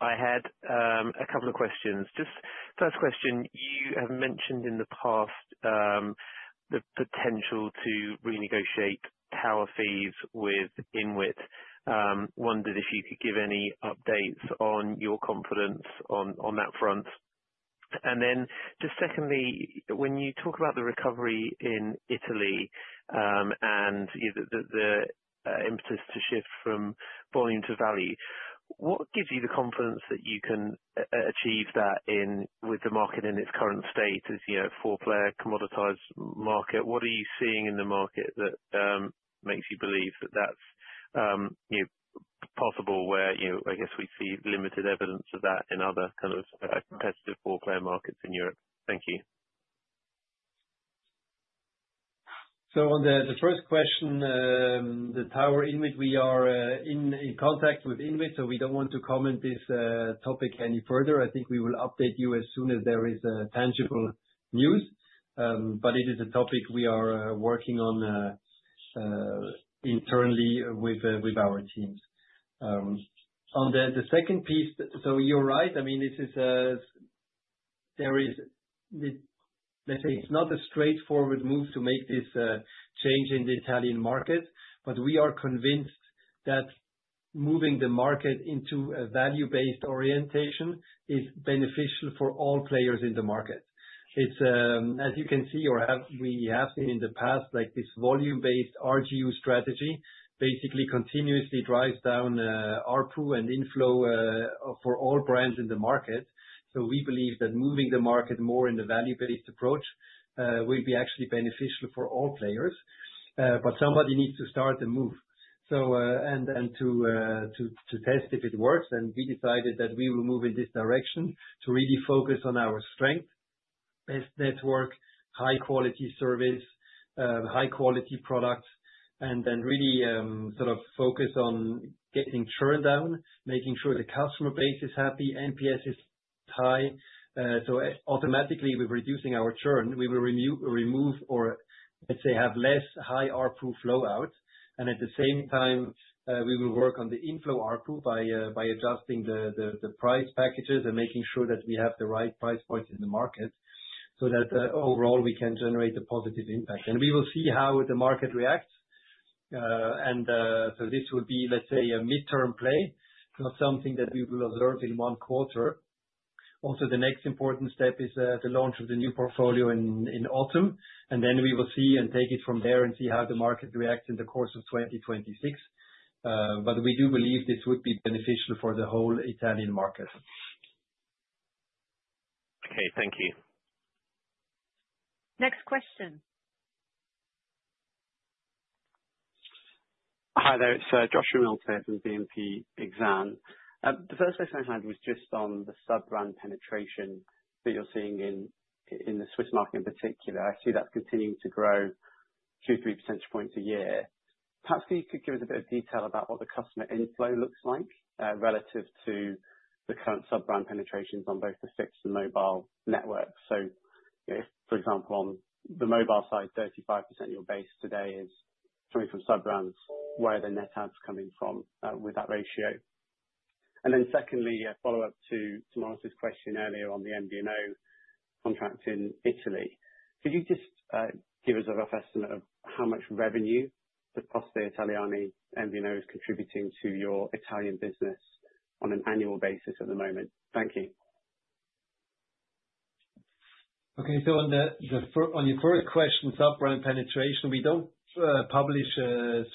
I had a couple of questions. Just first question, you have mentioned in the past the potential to renegotiate power fees with INWIT. Wondered if you could give any updates on your confidence on that front. And then just secondly, when you talk about the recovery in Italy and the impetus to shift from volume to value, what gives you the confidence that you can achieve that with the market in its current state as a four-player commoditized market? What are you seeing in the market that makes you believe that that's possible where, I guess, we see limited evidence of that in other kind of competitive four-player markets in Europe? Thank you. So on the first question, the tower INWIT, we are in contact with INWIT, so we don't want to comment this topic any further. I think we will update you as soon as there is tangible news, but it is a topic we are working on internally with our teams. On the second piece, so you're right. I mean, this is, let's say, it's not a straightforward move to make this change in the Italian market, but we are convinced that moving the market into a value-based orientation is beneficial for all players in the market. As you can see, or we have seen in the past, like this volume-based RGU strategy basically continuously drives down ARPU and inflow for all brands in the market. We believe that moving the market more in the value-based approach will actually be beneficial for all players, but somebody needs to start the move. And then to test if it works, we decided that we will move in this direction to really focus on our strength, best network, high-quality service, high-quality products, and then really sort of focus on getting churn down, making sure the customer base is happy, NPS is high. So automatically, with reducing our churn, we will remove or, let's say, have less high ARPU flow out. And at the same time, we will work on the inflow ARPU by adjusting the price packages and making sure that we have the right price points in the market so that overall we can generate a positive impact. And we will see how the market reacts. This will be, let's say, a midterm play, not something that we will observe in one quarter. Also, the next important step is the launch of the new portfolio in autumn, and then we will see and take it from there and see how the market reacts in the course of 2026. We do believe this would be beneficial for the whole Italian market. Okay, thank you. Next question. Hi there. It's Joshua Mills here from BNP Paribas Exane. The first question I had was just on the sub-brand penetration that you're seeing in the Swiss market in particular. I see that's continuing to grow two, three percentage points a year. Perhaps you could give us a bit of detail about what the customer inflow looks like relative to the current sub-brand penetrations on both the fixed and mobile networks. So for example, on the mobile side, 35% of your base today is coming from sub-brands. Where are the net adds coming from with that ratio? And then secondly, a follow-up to Marcel's question earlier on the MVNO contract in Italy. Could you just give us a rough estimate of how much revenue the Poste Italiane MVNO is contributing to your Italian business on an annual basis at the moment? Thank you. Okay, so on your first question, sub-brand penetration, we don't publish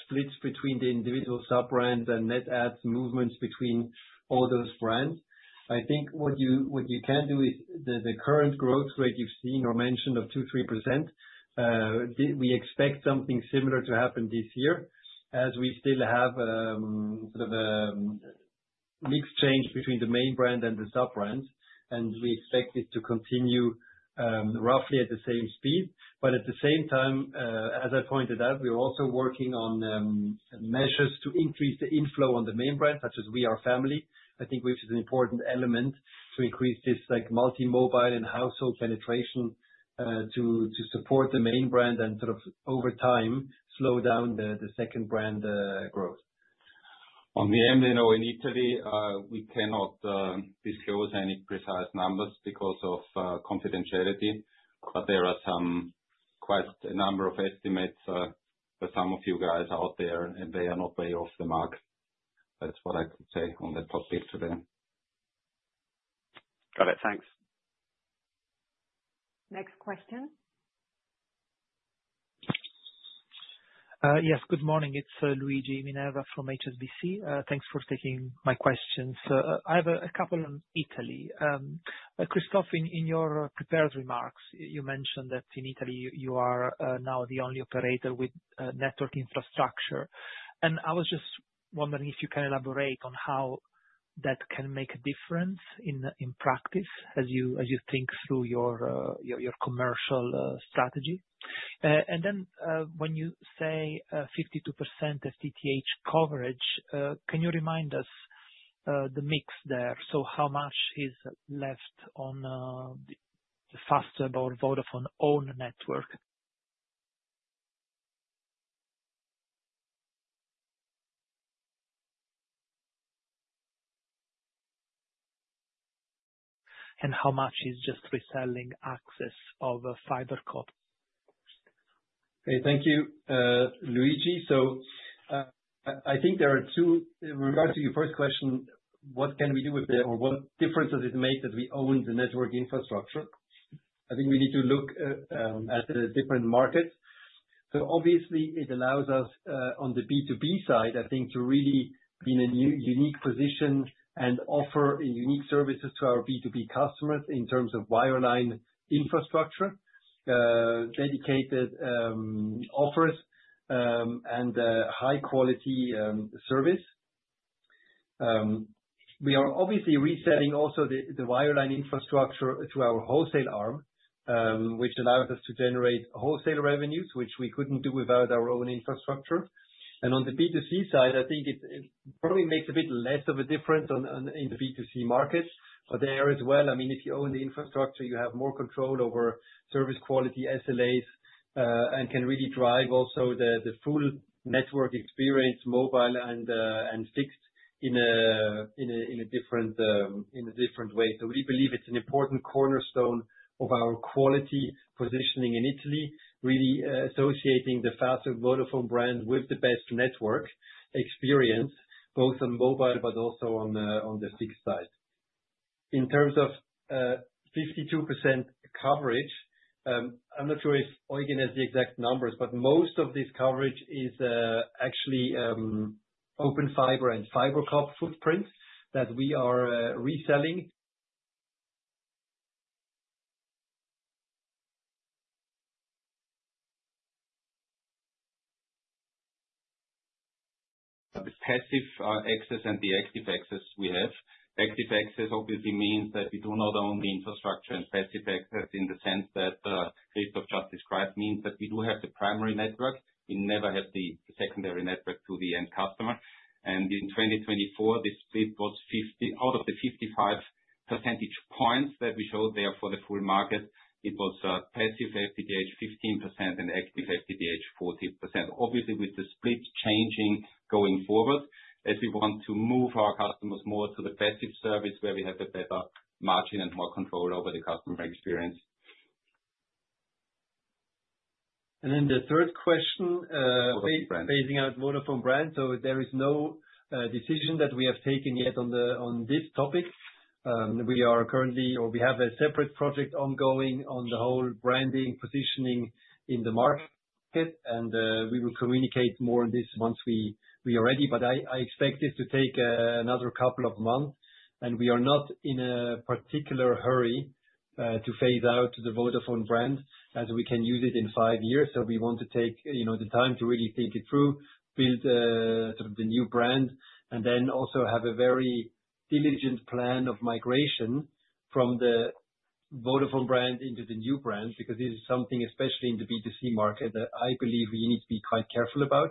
splits between the individual sub-brands and net adds movements between all those brands. I think what you can do is the current growth rate you've seen or mentioned of 2%-3%, we expect something similar to happen this year as we still have sort of a mixed change between the main brand and the sub-brands. And we expect this to continue roughly at the same speed. But at the same time, as I pointed out, we're also working on measures to increase the inflow on the main brand, such as We Are Family. I think which is an important element to increase this multimobile and household penetration to support the main brand and sort of over time slow down the second brand growth. On the MVNO in Italy, we cannot disclose any precise numbers because of confidentiality, but there are quite a number of estimates for some of you guys out there, and they are not way off the mark. That's what I could say on that topic today. Got it. Thanks. Next question. Yes, good morning. It's Luigi Minerva from HSBC. Thanks for taking my questions. I have a couple on Italy. Christoph, in your prepared remarks, you mentioned that in Italy, you are now the only operator with network infrastructure. And I was just wondering if you can elaborate on how that can make a difference in practice as you think through your commercial strategy. And then when you say 52% FTTH coverage, can you remind us the mix there? So how much is left on the Fastweb or Vodafone own network? And how much is just reselling access of FiberCop? Okay, thank you, Luigi. So I think there are two, in regards to your first question, what can we do with it or what difference does it make that we own the network infrastructure? I think we need to look at the different markets. So obviously, it allows us on the B2B side, I think, to really be in a unique position and offer unique services to our B2B customers in terms of wireline infrastructure, dedicated offers, and high-quality service. We are obviously reselling also the wireline infrastructure to our wholesale arm, which allows us to generate wholesale revenues, which we couldn't do without our own infrastructure. On the B2C side, I think it probably makes a bit less of a difference in the B2C market, but there as well, I mean, if you own the infrastructure, you have more control over service quality, SLAs, and can really drive also the full network experience, mobile and fixed, in a different way. We believe it's an important cornerstone of our quality positioning in Italy, really associating the Fastweb Vodafone brand with the best network experience, both on mobile, but also on the fixed side. In terms of 52% coverage, I'm not sure if Eugen has the exact numbers, but most of this coverage is actually Open Fiber and FiberCop footprint that we are reselling. The passive access and the active access we have. Active access obviously means that we do not own the infrastructure, and passive access in the sense that Christoph just described means that we do have the primary network. We never have the secondary network to the end customer. In 2024, the split was out of the 55 percentage points that we showed there for the full market; it was passive FTTH 15% and active FTTH 40%. Obviously, with the split changing going forward, as we want to move our customers more to the passive service where we have a better margin and more control over the customer experience. And then the third question. What brand? Phasing out Vodafone brand. So there is no decision that we have taken yet on this topic. We are currently, or we have a separate project ongoing on the whole branding positioning in the market, and we will communicate more on this once we are ready. But I expect this to take another couple of months, and we are not in a particular hurry to phase out the Vodafone brand as we can use it in five years. So we want to take the time to really think it through, build the new brand, and then also have a very diligent plan of migration from the Vodafone brand into the new brand because this is something especially in the B2C market that I believe we need to be quite careful about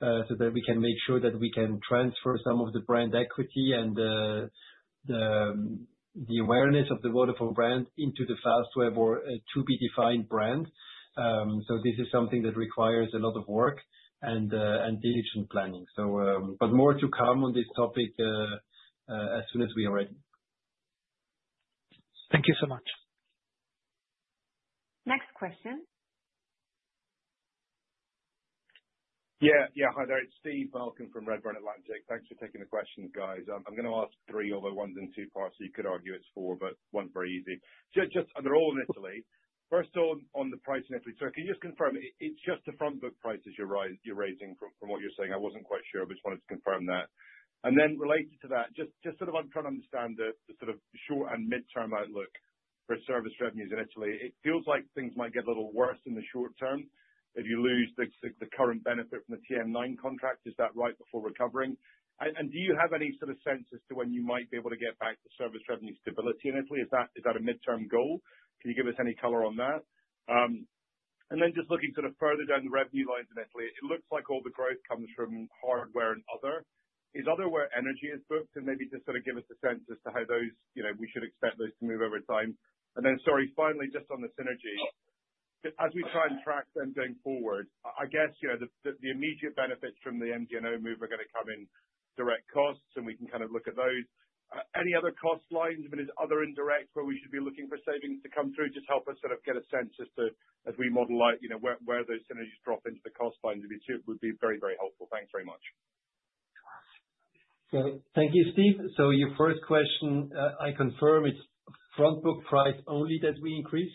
so that we can make sure that we can transfer some of the brand equity and the awareness of the Vodafone brand into the Fastweb or to be defined brand. So this is something that requires a lot of work and diligent planning. But more to come on this topic as soon as we are ready. Thank you so much. Next question. Yeah, yeah. Hi there. It's Steve Malcolm from Redburn Atlantic. Thanks for taking the question, guys. I'm going to ask three other ones in two parts. You could argue it's four, but one's very easy. They're all in Italy. First, on the price in Italy, so can you just confirm it's just the front book prices you're raising from what you're saying? I wasn't quite sure, but just wanted to confirm that. And then related to that, just sort of I'm trying to understand the sort of short and midterm outlook for service revenues in Italy. It feels like things might get a little worse in the short term if you lose the current benefit from the TM9 contract. Is that right before recovering? And do you have any sort of sense as to when you might be able to get back the service revenue stability in Italy? Is that a midterm goal? Can you give us any color on that? And then just looking sort of further down the revenue lines in Italy, it looks like all the growth comes from hardware and other. Is other where energy is booked? And maybe just sort of give us a sense as to how those we should expect those to move over time. And then, sorry, finally, just on the synergy, as we try and track them going forward, I guess the immediate benefits from the MVNO move are going to come in direct costs, and we can kind of look at those. Any other cost lines? I mean, is other indirect where we should be looking for savings to come through? Just help us sort of get a sense as we model out where those synergies drop into the cost lines. It would be very, very helpful. Thanks very much. Thank you, Steve. Your first question, I confirm it's front book price only that we increase.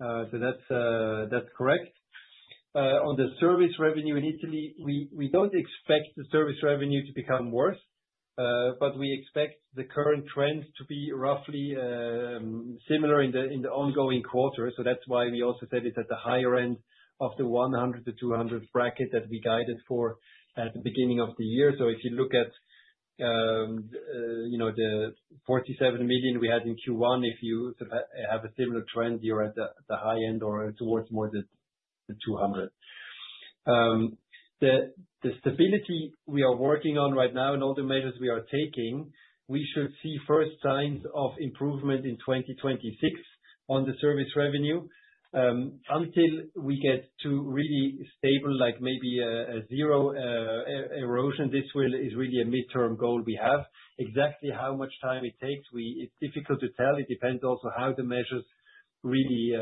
That's correct. On the service revenue in Italy, we don't expect the service revenue to become worse, but we expect the current trend to be roughly similar in the ongoing quarter. That's why we also said it's at the higher end of the 100-200 bracket that we guided for at the beginning of the year. If you look at the 47 million we had in Q1, if you sort of have a similar trend, you're at the high end or towards more than 200. The stability we are working on right now and all the measures we are taking, we should see first signs of improvement in 2026 on the service revenue until we get to really stable, like maybe a zero erosion. This is really a midterm goal we have. Exactly how much time it takes, it's difficult to tell. It depends also how the measures really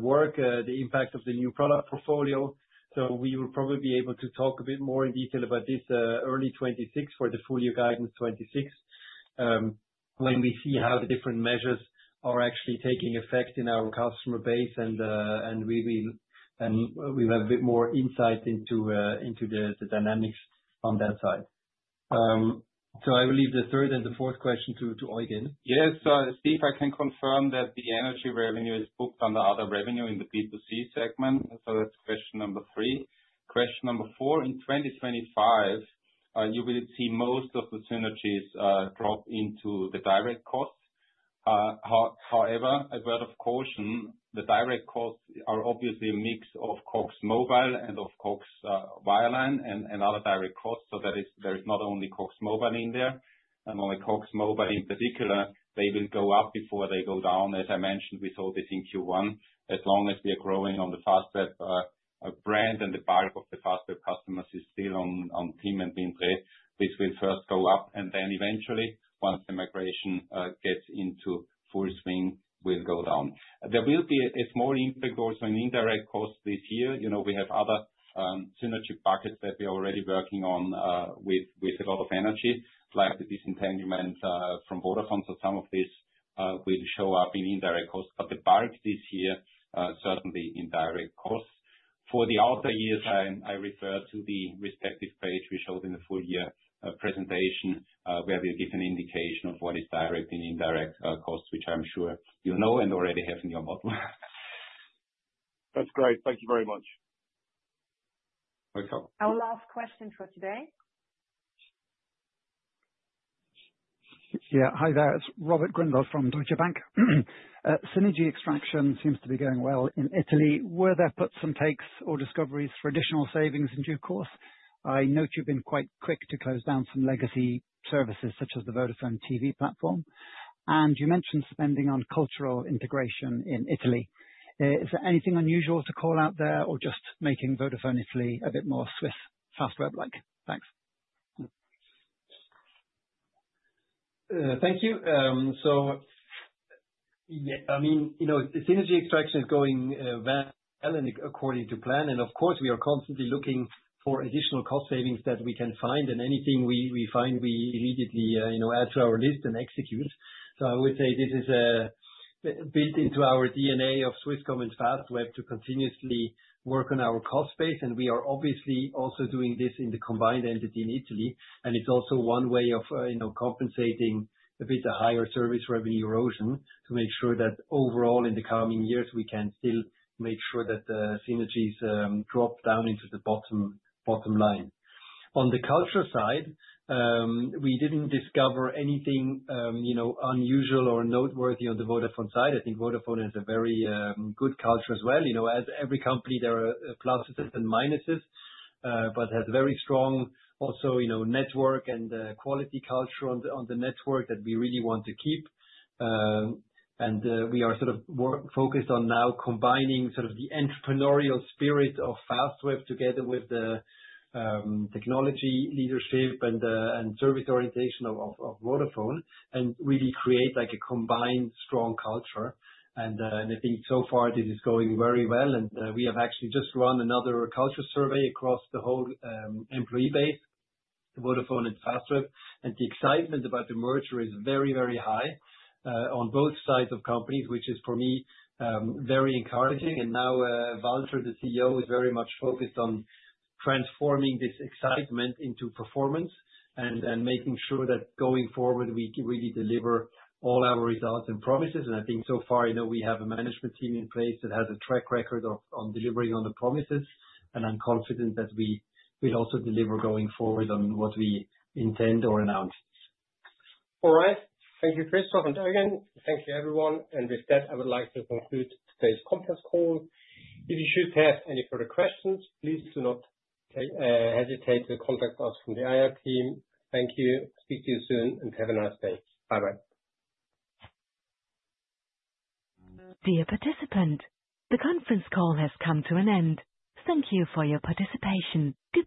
work, the impact of the new product portfolio. So we will probably be able to talk a bit more in detail about this early 2026 for the full year guidance 2026 when we see how the different measures are actually taking effect in our customer base and we will have a bit more insight into the dynamics on that side. So I will leave the third and the fourth question to Eugen. Yes, so Steve, I can confirm that the energy revenue is booked under other revenue in the B2C segment, so that's question number three, question number four, in 2025, you will see most of the synergies drop into the direct costs. However, a word of caution, the direct costs are obviously a mix of Vodafone Mobile and of Vodafone Wireline and other direct costs. So there is not only Vodafone Mobile in there, and only Vodafone Mobile in particular, they will go up before they go down. As I mentioned, we saw this in Q1. As long as we are growing on the Fastweb brand and the bulk of the Fastweb customers is still on TIM and being paid, this will first go up, and then eventually, once the migration gets into full swing, we'll go down. There will be a small impact also in indirect costs this year. We have other synergy pockets that we are already working on with a lot of energy, like the disentanglement from Vodafone. So some of this will show up in indirect costs. But the bulk this year, certainly indirect costs. For the outer years, I refer to the respective page we showed in the full year presentation where we give an indication of what is direct and indirect costs, which I'm sure you know and already have in your model. That's great. Thank you very much. Works out. Our last question for today. Yeah. Hi there. It's Robert Grindle from Deutsche Bank. Synergy extraction seems to be going well in Italy. Were there puts and takes or discoveries for additional savings in due course? I note you've been quite quick to close down some legacy services such as the Vodafone TV platform. And you mentioned spending on cultural integration in Italy. Is there anything unusual to call out there or just making Vodafone Italy a bit more Swiss Fastweb-like? Thanks. Thank you. So I mean, synergy extraction is going well and according to plan. And of course, we are constantly looking for additional cost savings that we can find. And anything we find, we immediately add to our list and execute. So I would say this is built into our DNA of Swisscom and Fastweb to continuously work on our cost base. And we are obviously also doing this in the combined entity in Italy. And it's also one way of compensating a bit the higher service revenue erosion to make sure that overall in the coming years, we can still make sure that the synergies drop down into the bottom line. On the cultural side, we didn't discover anything unusual or noteworthy on the Vodafone side. I think Vodafone has a very good culture as well. As every company, there are pluses and minuses, but has very strong also network and quality culture on the network that we really want to keep, and we are sort of focused on now combining sort of the entrepreneurial spirit of Fastweb together with the technology leadership and service orientation of Vodafone and really create a combined strong culture, and I think so far this is going very well, and we have actually just run another culture survey across the whole employee base, Vodafone and Fastweb, and the excitement about the merger is very, very high on both sides of companies, which is for me very encouraging, and now Walter, the CEO, is very much focused on transforming this excitement into performance and making sure that going forward, we really deliver all our results and promises. I think so far we have a management team in place that has a track record on delivering on the promises. I'm confident that we will also deliver going forward on what we intend or announce. All right. Thank you, Christoph and Eugen. Thank you, everyone. And with that, I would like to conclude today's conference call. If you should have any further questions, please do not hesitate to contact us from the IR team. Thank you. Speak to you soon and have a nice day. Bye-bye. Dear participants, the conference call has come to an end. Thank you for your participation. Good.